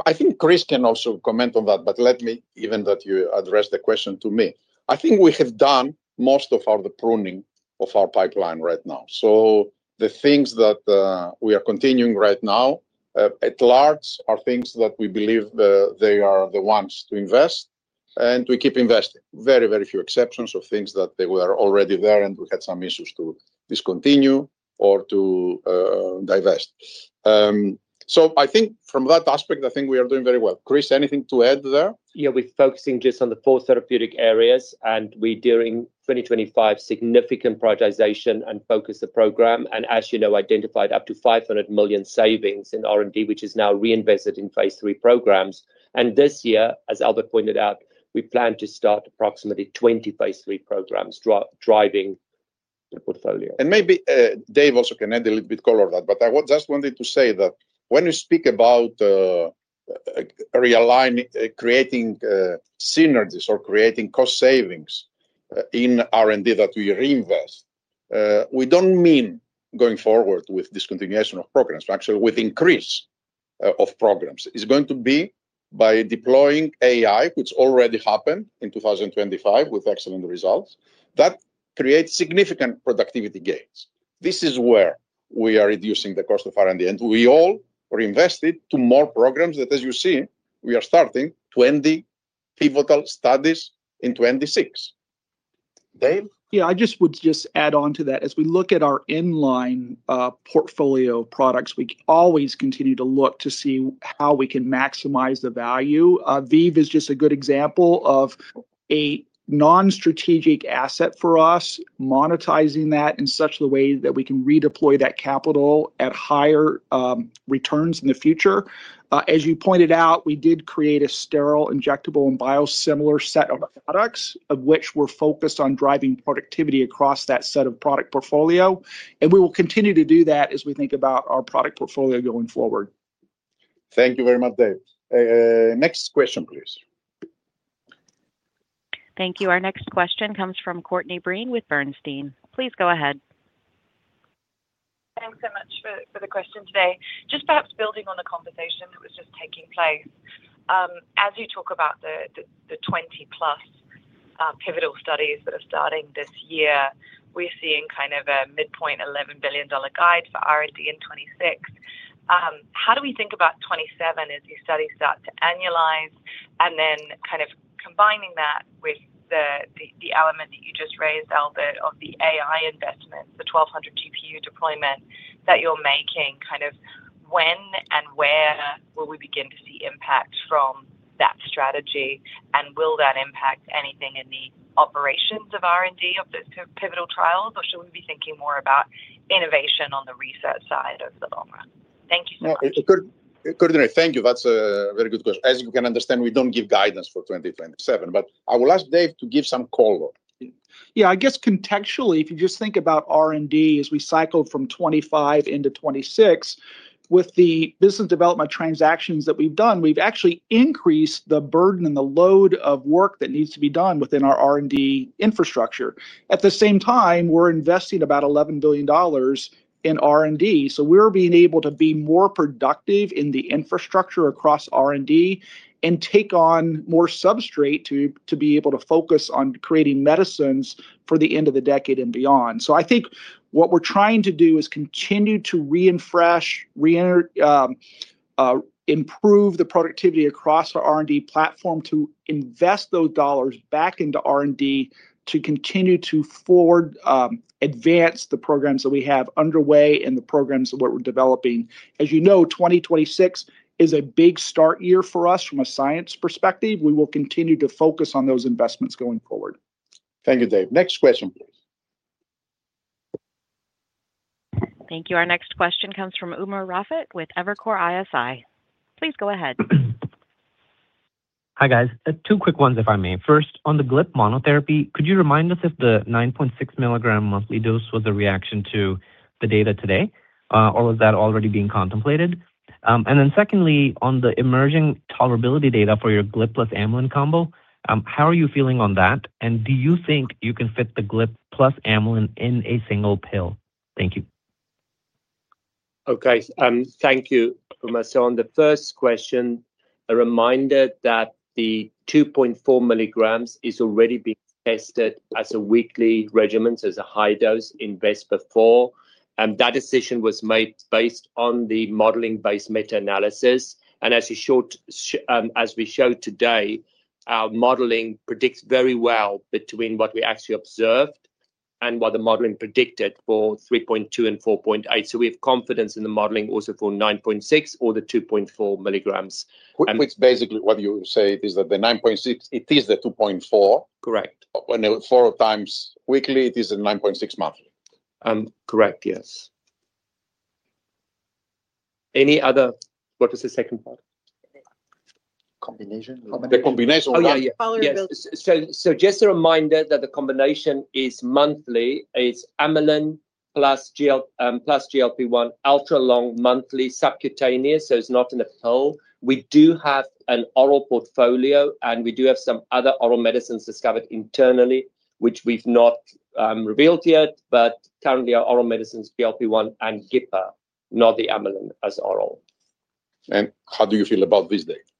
I think Chris can also comment on that, but let me, given that you addressed the question to me. I think we have done most of our, the pruning of our pipeline right now. So the things that, we are continuing right now, at large, are things that we believe, they are the ones to invest, and we keep investing. Very, very few exceptions of things that they were already there, and we had some issues to discontinue or to, divest. So I think from that aspect, I think we are doing very well. Chris, anything to add there? Yeah, we're focusing just on the four therapeutic areas, and we, during 2025, significant prioritization and focus the program, and as you know, identified up to $500 million savings in R&D, which is now reinvested in phase III programs. And this year, as Albert pointed out, we plan to start approximately 20 phase III programs, driving the portfolio. Maybe Dave also can add a little bit color on that. But I just wanted to say that when you speak about realigning, creating synergies or creating cost savings in R&D that we reinvest, we don't mean going forward with discontinuation of programs, but actually with increase of programs. It's going to be by deploying AI, which already happened in 2025 with excellent results. That creates significant productivity gains. This is where we are reducing the cost of R&D, and we all are invested to more programs that, as you see, we are starting 20 pivotal studies in 2026. Dave? Yeah, I just would just add on to that. As we look at our in-line portfolio products, we always continue to look to see how we can maximize the value. ViiV is just a good example of a non-strategic asset for us, monetizing that in such a way that we can redeploy that capital at higher returns in the future. As you pointed out, we did create a sterile, injectable, and biosimilar set of products, of which we're focused on driving productivity across that set of product portfolio, and we will continue to do that as we think about our product portfolio going forward. Thank you very much, Dave. Next question, please. ... Thank you. Our next question comes from Courtney Breen with Bernstein. Please go ahead. Thanks so much for the question today. Just perhaps building on the conversation that was just taking place, as you talk about the 20+ pivotal studies that are starting this year, we're seeing kind of a midpoint $11 billion guide for R&D in 2026. How do we think about 2027 as these studies start to annualize? And then kind of combining that with the element that you just raised, Albert, of the AI investment, the 1,200 GPU deployment that you're making, kind of, when and where will we begin to see impact from that strategy? And will that impact anything in the operations of R&D of the pivotal trials, or should we be thinking more about innovation on the research side of the dogma? Thank you so much. No, it's a good... Courtney, thank you. That's a very good question. As you can understand, we don't give guidance for 2027, but I will ask Dave to give some color. Yeah, I guess contextually, if you just think about R&D as we cycle from 2025 into 2026, with the business development transactions that we've done, we've actually increased the burden and the load of work that needs to be done within our R&D infrastructure. At the same time, we're investing about $11 billion in R&D, so we're being able to be more productive in the infrastructure across R&D and take on more substrate to be able to focus on creating medicines for the end of the decade and beyond. So I think what we're trying to do is continue to refresh, reinvent, improve the productivity across our R&D platform to invest those dollars back into R&D to continue to further advance the programs that we have underway and the programs that we're developing. As you know, 2026 is a big start year for us from a science perspective. We will continue to focus on those investments going forward. Thank you, Dave. Next question, please. Thank you. Our next question comes from Umar Raffat with Evercore ISI. Please go ahead. Hi, guys. Two quick ones, if I may. First, on the GLP monotherapy, could you remind us if the 9.6 mg monthly dose was a reaction to the data today, or was that already being contemplated? And then secondly, on the emerging tolerability data for your GLP plus amylin combo, how are you feeling on that, and do you think you can fit the GLP plus amylin in a single pill? Thank you. Okay, thank you, Umar. So on the first question, a reminder that the 2.4 mg is already being tested as a weekly regimen, as a high dose in VESPER, and that decision was made based on the modeling-based meta-analysis. And as we showed today, our modeling predicts very well between what we actually observed and what the modeling predicted for 3.2 and 4.8. So we have confidence in the modeling also for 9.6 or the 2.4 mg. Which basically what you say is that the 9.6, it is the 2.4- Correct... When 4x weekly, it is a 9.6 monthly. Correct, yes. Any other... What was the second part? Combination. The combination. Oh, yeah, yeah. Tolerability. Yes. So, so just a reminder that the combination is monthly. It's amylin plus GL, plus GLP-1, ultra-long monthly subcutaneous, so it's not in a pill. We do have an oral portfolio, and we do have some other oral medicines discovered internally, which we've not revealed yet, but currently our oral medicines, GLP-1 and GIP, not the amylin, as oral. How do you feel about this date?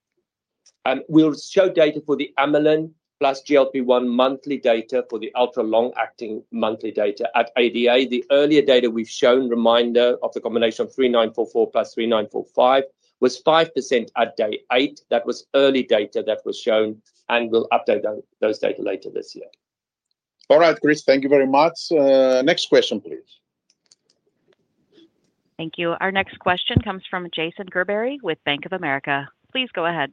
We'll show data for the amylin plus GLP-1 monthly data for the ultra-long-acting monthly data. At ADA, the earlier data we've shown, reminder, of the combination 3944 plus 3945, was 5% at day eight. That was early data that was shown, and we'll update those data later this year. All right, Chris, thank you very much. Next question, please. Thank you. Our next question comes from Jason Gerberry with Bank of America. Please go ahead.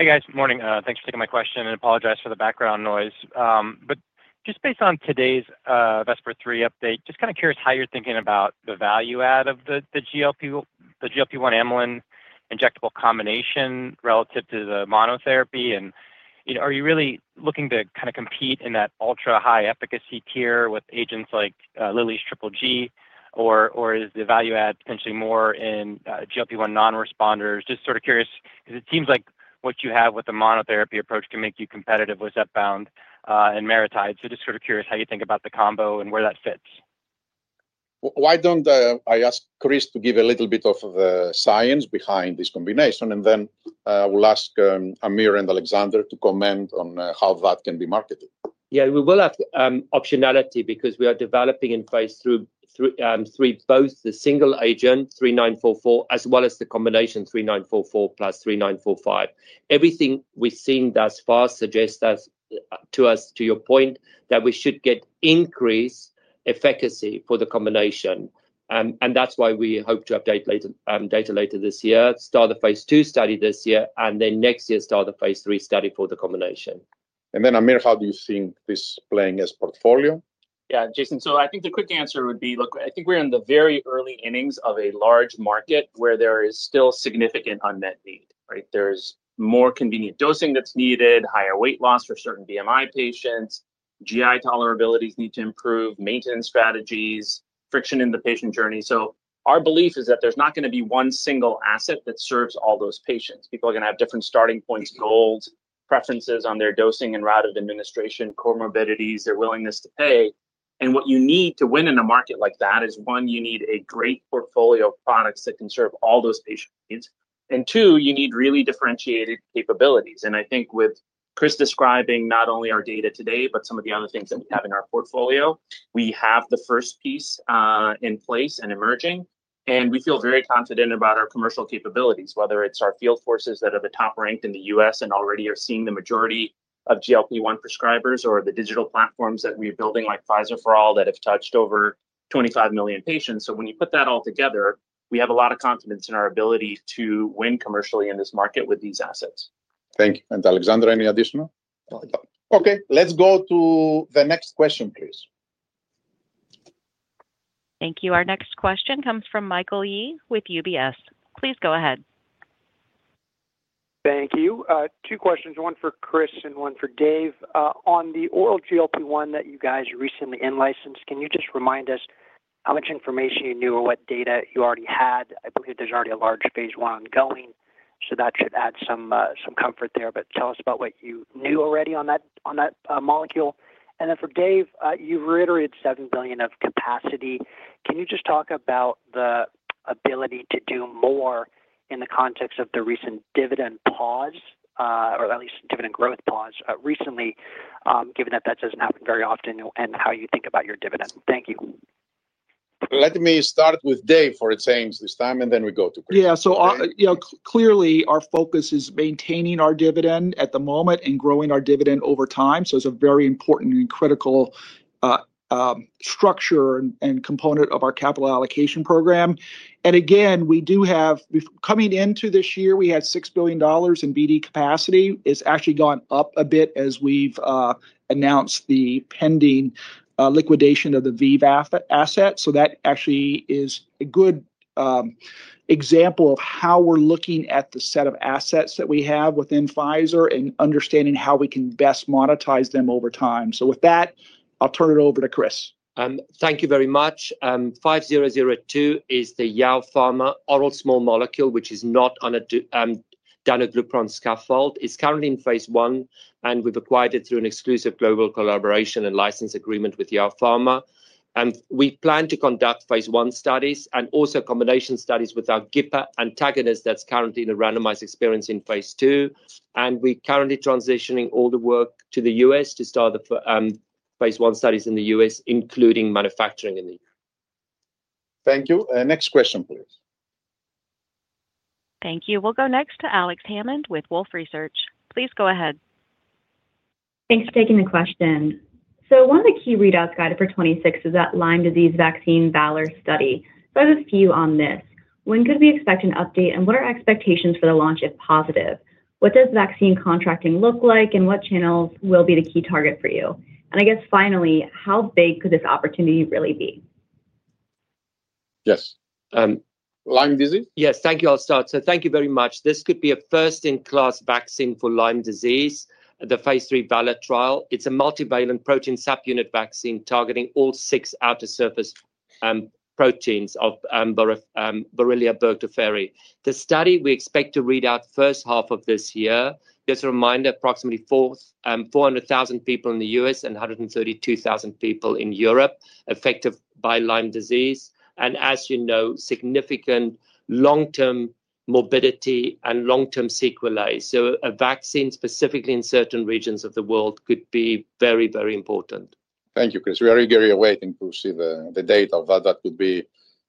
Hey, guys. Morning. Thanks for taking my question, and apologize for the background noise. But just based on today's VESPER-3 update, just kind of curious how you're thinking about the value add of the GLP-1 amylin injectable combination relative to the monotherapy. And, you know, are you really looking to kinda compete in that ultra-high efficacy tier with agents like Lilly's triple G, or is the value add potentially more in GLP-1 non-responders? Just sort of curious, because it seems like what you have with the monotherapy approach can make you competitive with Zepbound and MariTide. So just sort of curious how you think about the combo and where that fits. Why don't I ask Chris to give a little bit of the science behind this combination, and then we'll ask Aamir and Alexandre to comment on how that can be marketed. Yeah, we will have optionality because we are developing in phase III both the single agent, 3944, as well as the combination, 3944 plus 3945. Everything we've seen thus far suggests that, to us, to your point, that we should get increased efficacy for the combination. And that's why we hope to update later data later this year, start the phase II study this year, and then next year, start the phase III study for the combination. Aamir, how do you think this playing as portfolio? Yeah, Jason, so I think the quick answer would be, look, I think we're in the very early innings of a large market where there is still significant unmet need, right? There's more convenient dosing that's needed, higher weight loss for certain BMI patients, GI tolerabilities need to improve, maintenance strategies, friction in the patient journey. Our belief is that there's not gonna be one single asset that serves all those patients. People are gonna have different starting points, goals, preferences on their dosing and route of administration, comorbidities, their willingness to pay. And what you need to win in a market like that is, one, you need a great portfolio of products that can serve all those patient needs, and two, you need really differentiated capabilities. I think with Chris describing not only our data today, but some of the other things that we have in our portfolio, we have the first piece in place and emerging, and we feel very confident about our commercial capabilities, whether it's our field forces that are the top-ranked in the U.S. and already are seeing the majority of GLP-1 prescribers or the digital platforms that we're building, like Pfizer for All, that have touched over 25 million patients. So when you put that all together, we have a lot of confidence in our ability to win commercially in this market with these assets. Thank you. Alexandre, any additional? No, I don't. Okay, let's go to the next question, please. Thank you. Our next question comes from Michael Yee with UBS. Please go ahead. Thank you. Two questions, one for Chris and one for Dave. On the oral GLP-1 that you guys recently in-licensed, can you just remind us how much information you knew or what data you already had? I believe there's already a large phase I ongoing, so that should add some comfort there, but tell us about what you knew already on that molecule. And then for Dave, you reiterated 7 billion of capacity. Can you just talk about the ability to do more in the context of the recent dividend pause, or at least dividend growth pause recently, given that that doesn't happen very often and how you think about your dividend? Thank you. Let me start with Dave for a change this time, and then we go to Chris. Yeah. So, you know, clearly, our focus is maintaining our dividend at the moment and growing our dividend over time, so it's a very important and critical structure and component of our capital allocation program. And again, we do have... Coming into this year, we had $6 billion in BD capacity. It's actually gone up a bit as we've announced the pending liquidation of the ViiV asset, so that actually is a good example of how we're looking at the set of assets that we have within Pfizer and understanding how we can best monetize them over time. So with that, I'll turn it over to Chris. Thank you very much. 5002 is YaoPharma oral small molecule, which is not on a danuglipron scaffold. It's currently in phase I, and we've acquired it through an exclusive global collaboration and license agreement YaoPharma. We plan to conduct phase I studies and also combination studies with our GIP antagonist that's currently in a randomized expansion in phase II, and we're currently transitioning all the work to the U.S. to start the phase I studies in the U.S., including manufacturing in the U.S. Thank you. Next question, please. Thank you. We'll go next to Alex Hammond with Wolfe Research. Please go ahead. Thanks for taking the question. So one of the key readouts guided for 2026 is that Lyme disease vaccine VALOR study. So I have a few on this. When could we expect an update, and what are expectations for the launch, if positive? What does vaccine contracting look like, and what channels will be the key target for you? And I guess, finally, how big could this opportunity really be? Yes. Lyme disease? Yes. Thank you. I'll start. So thank you very much. This could be a first-in-class vaccine for Lyme disease, the phase III VALOR trial. It's a multivalent protein subunit vaccine targeting all six outer surface proteins of Borrelia burgdorferi. The study, we expect to read out first half of this year. Just a reminder, approximately 400,000 people in the U.S. and 132,000 people in Europe affected by Lyme disease, and as you know, significant long-term morbidity and long-term sequelae. So a vaccine specifically in certain regions of the world could be very, very important. Thank you, Chris. We are eagerly awaiting to see the data of that. That would be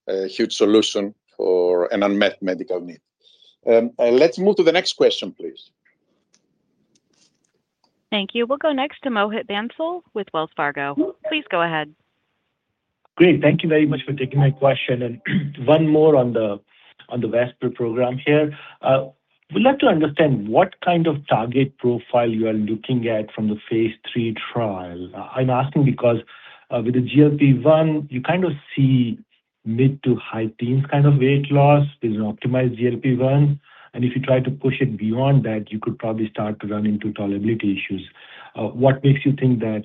a huge solution for an unmet medical need. Let's move to the next question, please. Thank you. We'll go next to Mohit Bansal with Wells Fargo. Please go ahead. Great. Thank you very much for taking my question, and one more on the VESPER program here. Would like to understand what kind of target profile you are looking at from the phase III trial. I'm asking because, with the GLP-1, you kind of see mid- to high-teens kind of weight loss is an optimized GLP-1, and if you try to push it beyond that, you could probably start to run into tolerability issues. What makes you think that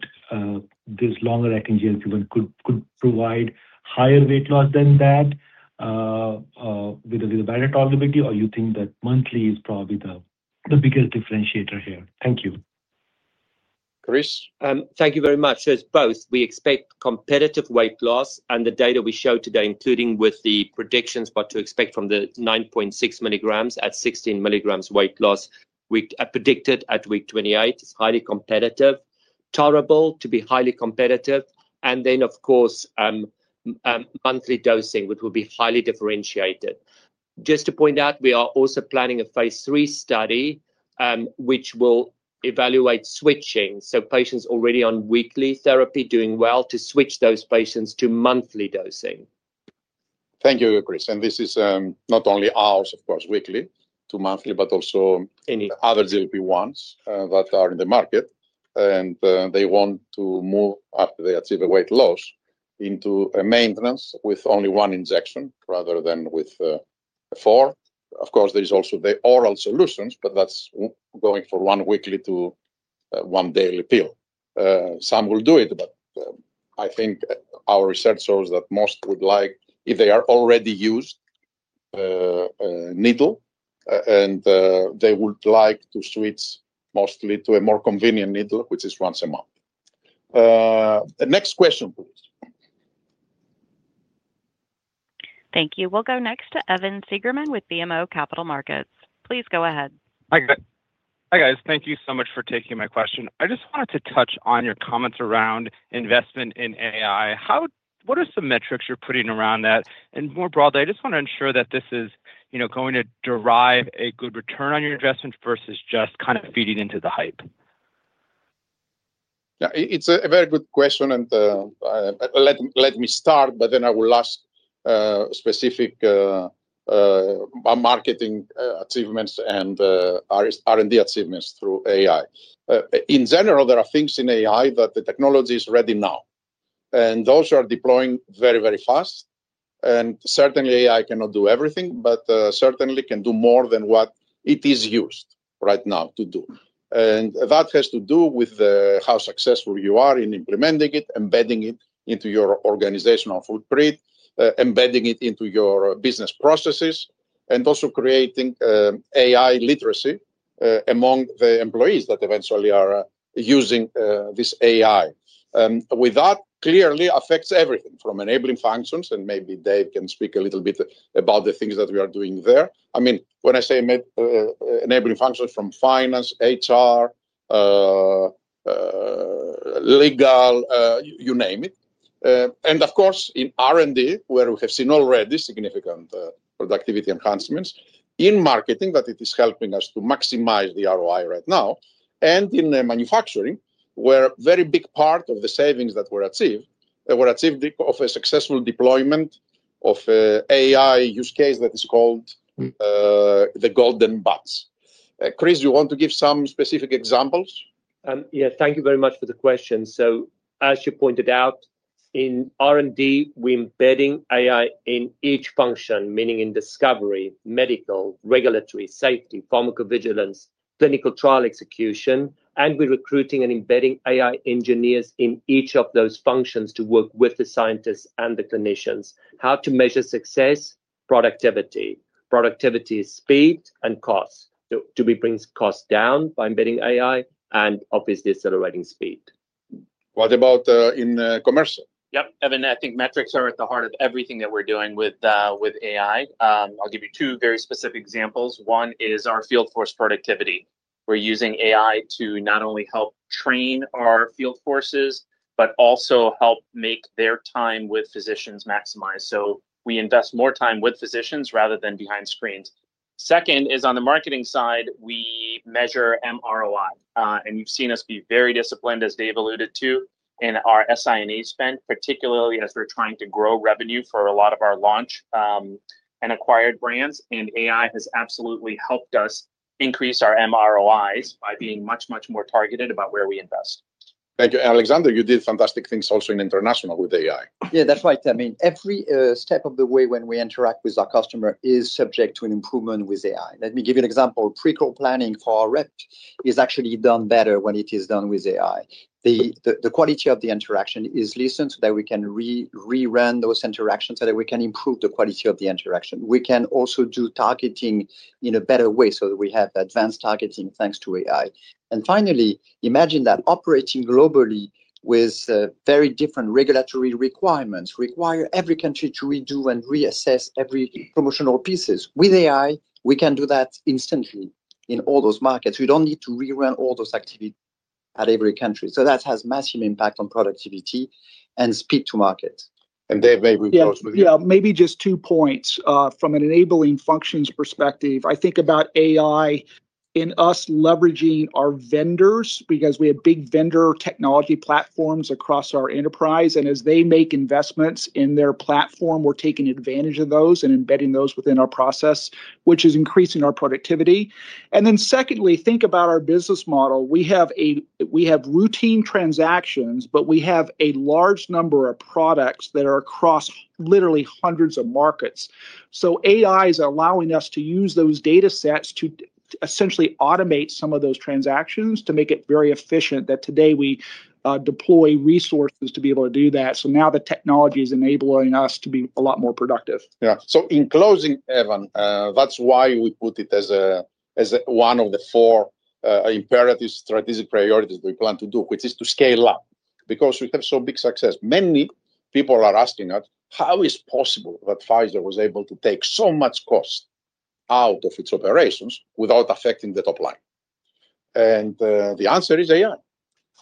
this longer-acting GLP-1 could provide higher weight loss than that, with a little better tolerability, or you think that monthly is probably the biggest differentiator here? Thank you. Chris? Thank you very much. So it's both. We expect competitive weight loss, and the data we showed today, including with the predictions, what to expect from the 9.6 mg at 16 mg weight loss, we predicted at week 28, it's highly competitive, tolerable to be highly competitive, and then, of course, monthly dosing, which will be highly differentiated. Just to point out, we are also planning a phase III study, which will evaluate switching, so patients already on weekly therapy doing well, to switch those patients to monthly dosing. Thank you, Chris, and this is not only ours, of course, weekly to monthly, but also- Any- Other GLP-1s that are in the market, and they want to move after they achieve a weight loss into a maintenance with only one injection rather than with four. Of course, there is also the oral solutions, but that's going for one weekly to one daily pill. Some will do it, but I think our research shows that most would like, if they are already used a needle, and they would like to switch mostly to a more convenient needle, which is once a month. The next question, please. Thank you. We'll go next to Evan Seigerman with BMO Capital Markets. Please go ahead. Hi, guys. Thank you so much for taking my question. I just wanted to touch on your comments around investment in AI. What are some metrics you're putting around that? And more broadly, I just wanna ensure that this is, you know, going to derive a good return on your investment versus just kind of feeding into the hype. Yeah, it's a very good question, and let me start, but then I will ask specific marketing achievements and R&D achievements through AI. In general, there are things in AI that the technology is ready now, and those are deploying very, very fast. And certainly AI cannot do everything, but certainly can do more than what it is used right now to do. And that has to do with how successful you are in implementing it, embedding it into your organizational footprint, embedding it into your business processes, and also creating AI literacy among the employees that eventually are using this AI. With that, clearly affects everything from enabling functions, and maybe Dave can speak a little bit about the things that we are doing there. I mean, when I say enabling functions from finance, HR, legal, you name it. And of course, in R&D, where we have seen already significant productivity enhancements, in marketing, that it is helping us to maximize the ROI right now, and in manufacturing, where very big part of the savings that were achieved were achieved of a successful deployment of AI use case that is called the Golden Bots. Chris, you want to give some specific examples? Yeah, thank you very much for the question. So, as you pointed out, in R&D, we're embedding AI in each function, meaning in discovery, medical, regulatory, safety, pharmacovigilance, clinical trial execution, and we're recruiting and embedding AI engineers in each of those functions to work with the scientists and the clinicians. How to measure success? Productivity. Productivity is speed and cost. So do we bring cost down by embedding AI, and obviously accelerating speed. What about, in, commercial? Yep. Evan, I think metrics are at the heart of everything that we're doing with, with AI. I'll give you two very specific examples. One is our field force productivity. We're using AI to not only help train our field forces, but also help make their time with physicians maximized, so we invest more time with physicians, rather than behind screens. Second is on the marketing side, we measure MROI, and you've seen us be very disciplined, as Dave alluded to, in our SI&A spend, particularly as we're trying to grow revenue for a lot of our launch, and acquired brands, and AI has absolutely helped us increase our MROIs by being much, much more targeted about where we invest. Thank you. Alexandre, you did fantastic things also in international with AI. Yeah, that's right. I mean, every step of the way when we interact with our customer is subject to an improvement with AI. Let me give you an example. Pre-call planning for a rep is actually done better when it is done with AI. The, the, the quality of the interaction is listened, so that we can rerun those interactions, so that we can improve the quality of the interaction. We can also do targeting in a better way, so that we have advanced targeting, thanks to AI. And finally, imagine that operating globally with very different regulatory requirements require every country to redo and reassess every promotional pieces. With AI, we can do that instantly in all those markets. We don't need to rerun all those activity at every country, so that has massive impact on productivity and speed to market. Dave, maybe close with you. Yeah, yeah. Maybe just two points. From an enabling functions perspective, I think about AI enabling us leveraging our vendors, because we have big vendor technology platforms across our enterprise, and as they make investments in their platform, we're taking advantage of those and embedding those within our process, which is increasing our productivity. Then secondly, think about our business model. We have routine transactions, but we have a large number of products that are across literally hundreds of markets. So AI is allowing us to use those data sets to essentially automate some of those transactions to make it very efficient, that today we deploy resources to be able to do that. So now the technology is enabling us to be a lot more productive. Yeah. So in closing, Evan, that's why we put it as one of the four imperative strategic priorities we plan to do, which is to scale up, because we have so big success. Many people are asking us, "How is possible that Pfizer was able to take so much cost out of its operations without affecting the top line?" And the answer is AI.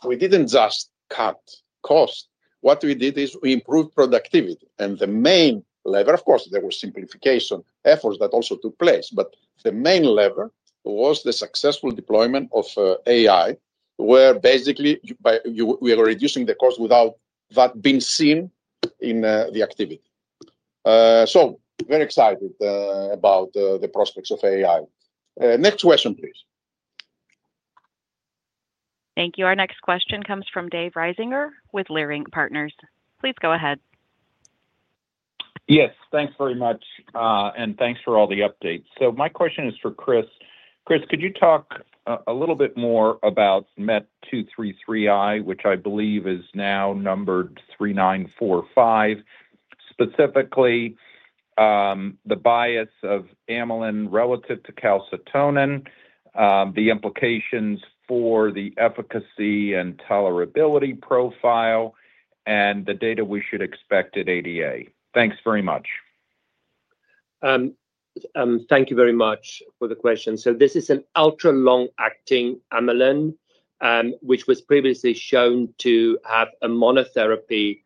We didn't just cut cost. What we did is we improved productivity, and the main lever... Of course, there were simplification efforts that also took place, but the main lever was the successful deployment of AI, where basically by which we are reducing the cost without that being seen in the activity. So very excited about the prospects of AI. Next question, please. Thank you. Our next question comes from Dave Risinger with Leerink Partners. Please go ahead.... Yes, thanks very much, and thanks for all the updates. So my question is for Chris. Chris, could you talk a little bit more about MET-233i, which I believe is now numbered 3945, specifically, the bias of amylin relative to calcitonin, the implications for the efficacy and tolerability profile, and the data we should expect at ADA? Thanks very much. Thank you very much for the question. So this is an ultra long-acting amylin, which was previously shown to have a monotherapy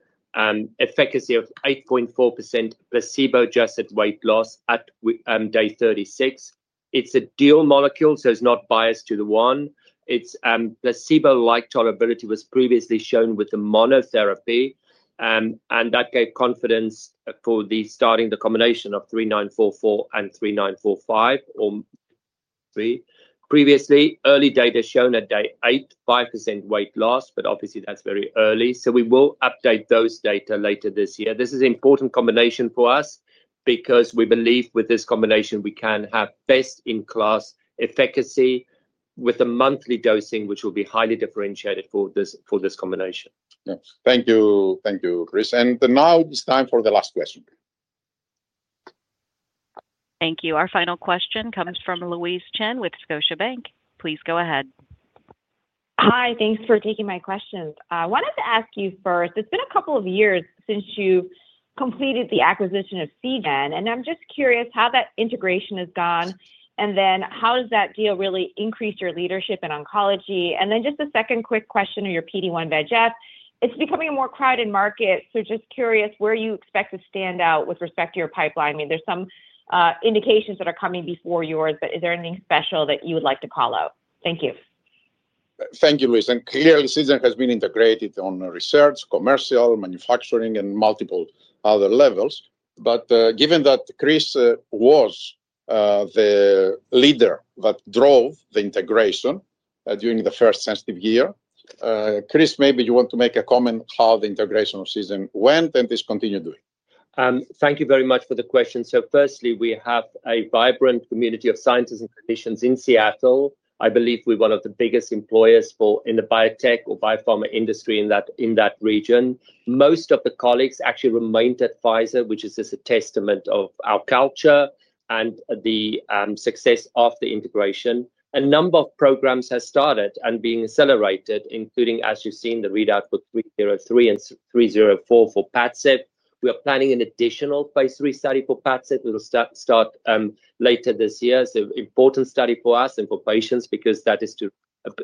efficacy of 8.4% placebo-adjusted weight loss at day 36. It's a dual molecule, so it's not biased to the one. Its placebo-like tolerability was previously shown with the monotherapy, and that gave confidence for the starting the combination of 3944 and 3945, or three. Previously, early data shown at day eight, 5% weight loss, but obviously that's very early, so we will update those data later this year. This is important combination for us because we believe with this combination, we can have best-in-class efficacy with a monthly dosing, which will be highly differentiated for this, for this combination. Yes. Thank you. Thank you, Chris. Now it is time for the last question. Thank you. Our final question comes from Louise Chen with Scotiabank. Please go ahead. Hi, thanks for taking my questions. I wanted to ask you first, it's been a couple of years since you completed the acquisition of Seagen, and I'm just curious how that integration has gone, and then how does that deal really increase your leadership in oncology? Then just a second quick question on your PD-1/VEGF. It's becoming a more crowded market, so just curious where you expect to stand out with respect to your pipeline. I mean, there's some indications that are coming before yours, but is there anything special that you would like to call out? Thank you. Thank you, Louise, and clearly, Seagen has been integrated on research, commercial, manufacturing, and multiple other levels. But, given that Chris was the leader that drove the integration during the first sensitive year, Chris, maybe you want to make a comment how the integration of Seagen went and is continuing doing? Thank you very much for the question. So firstly, we have a vibrant community of scientists and clinicians in Seattle. I believe we're one of the biggest employers for, in the biotech or biopharma industry in that, in that region. Most of the colleagues actually remained at Pfizer, which is just a testament of our culture and the success of the integration. A number of programs have started and been accelerated, including, as you've seen, the readout for 303 and EV-304 for PADCEV. We are planning an additional phase III study for PADCEV. We'll start later this year. It's an important study for us and for patients because that is to...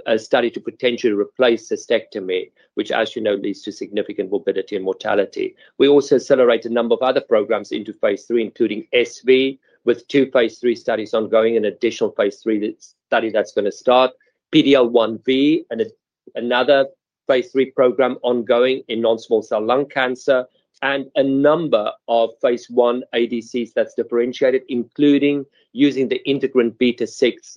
A study to potentially replace cystectomy, which, as you know, leads to significant morbidity and mortality. We also accelerated a number of other programs into phase III, including SV, with two phase III studies ongoing and additional phase III study that's gonna start. PD-L1 ViiV and another phase III program ongoing in non-small cell lung cancer, and a number of phase I ADCs that's differentiated, including using the integrin beta-6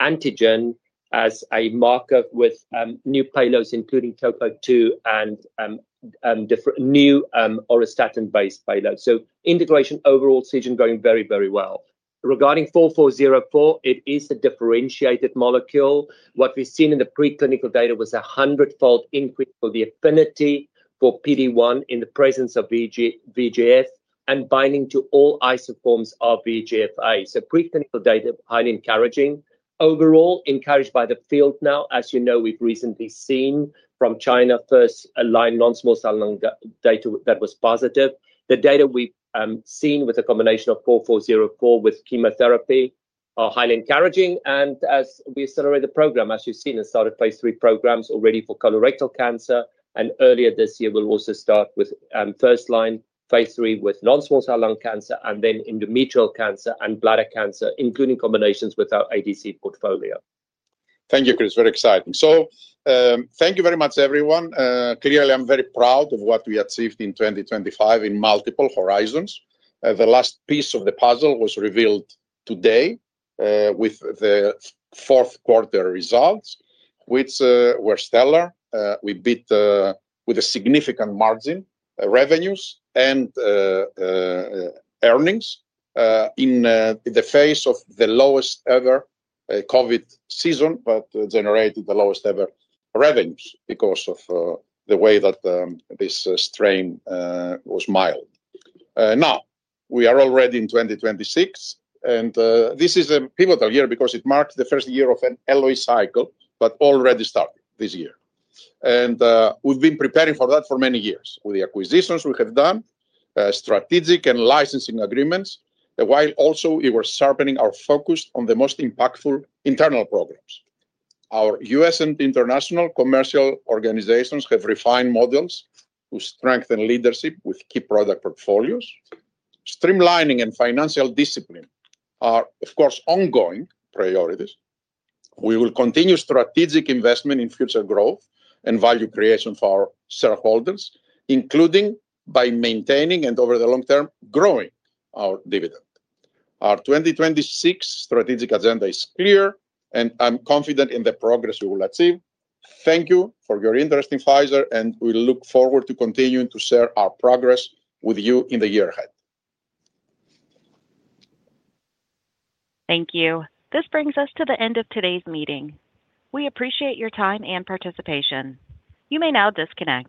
antigen as a marker with new payloads, including Topo II and different, new auristatin-based payloads. So integration overall, Seagen going very, very well. Regarding 4404, it is a differentiated molecule. What we've seen in the preclinical data was a 100-fold increase for the affinity for PD-1 in the presence of VEGF and binding to all isoforms of VEGF-A. So preclinical data, highly encouraging. Overall, encouraged by the field now. As you know, we've recently seen from China, first-line non-small cell lung cancer data that was positive. The data we've seen with a combination of 4404 with chemotherapy are highly encouraging, and as we accelerate the program, as you've seen, and started phase III programs already for colorectal cancer, and earlier this year, we'll also start with first-line phase III with non-small cell lung cancer, and then endometrial cancer and bladder cancer, including combinations with our ADC portfolio. Thank you, Chris. Very exciting. So, thank you very much, everyone. Clearly, I'm very proud of what we achieved in 2025 in multiple horizons. The last piece of the puzzle was revealed today, with the fourth quarter results, which were stellar. We beat, with a significant margin, revenues and earnings, in the face of the lowest-ever COVID season, but generated the lowest-ever revenues because of the way that this strain was mild. Now, we are already in 2026, and this is a pivotal year because it marks the first year of an LOE cycle, but already started this year. We've been preparing for that for many years with the acquisitions we have done, strategic and licensing agreements, while also we were sharpening our focus on the most impactful internal programs. Our U.S. and international commercial organizations have refined models to strengthen leadership with key product portfolios. Streamlining and financial discipline are, of course, ongoing priorities. We will continue strategic investment in future growth and value creation for our shareholders, including by maintaining and, over the long term, growing our dividend. Our 2026 strategic agenda is clear, and I'm confident in the progress we will achieve. Thank you for your interest in Pfizer, and we look forward to continuing to share our progress with you in the year ahead. Thank you. This brings us to the end of today's meeting. We appreciate your time and participation. You may now disconnect.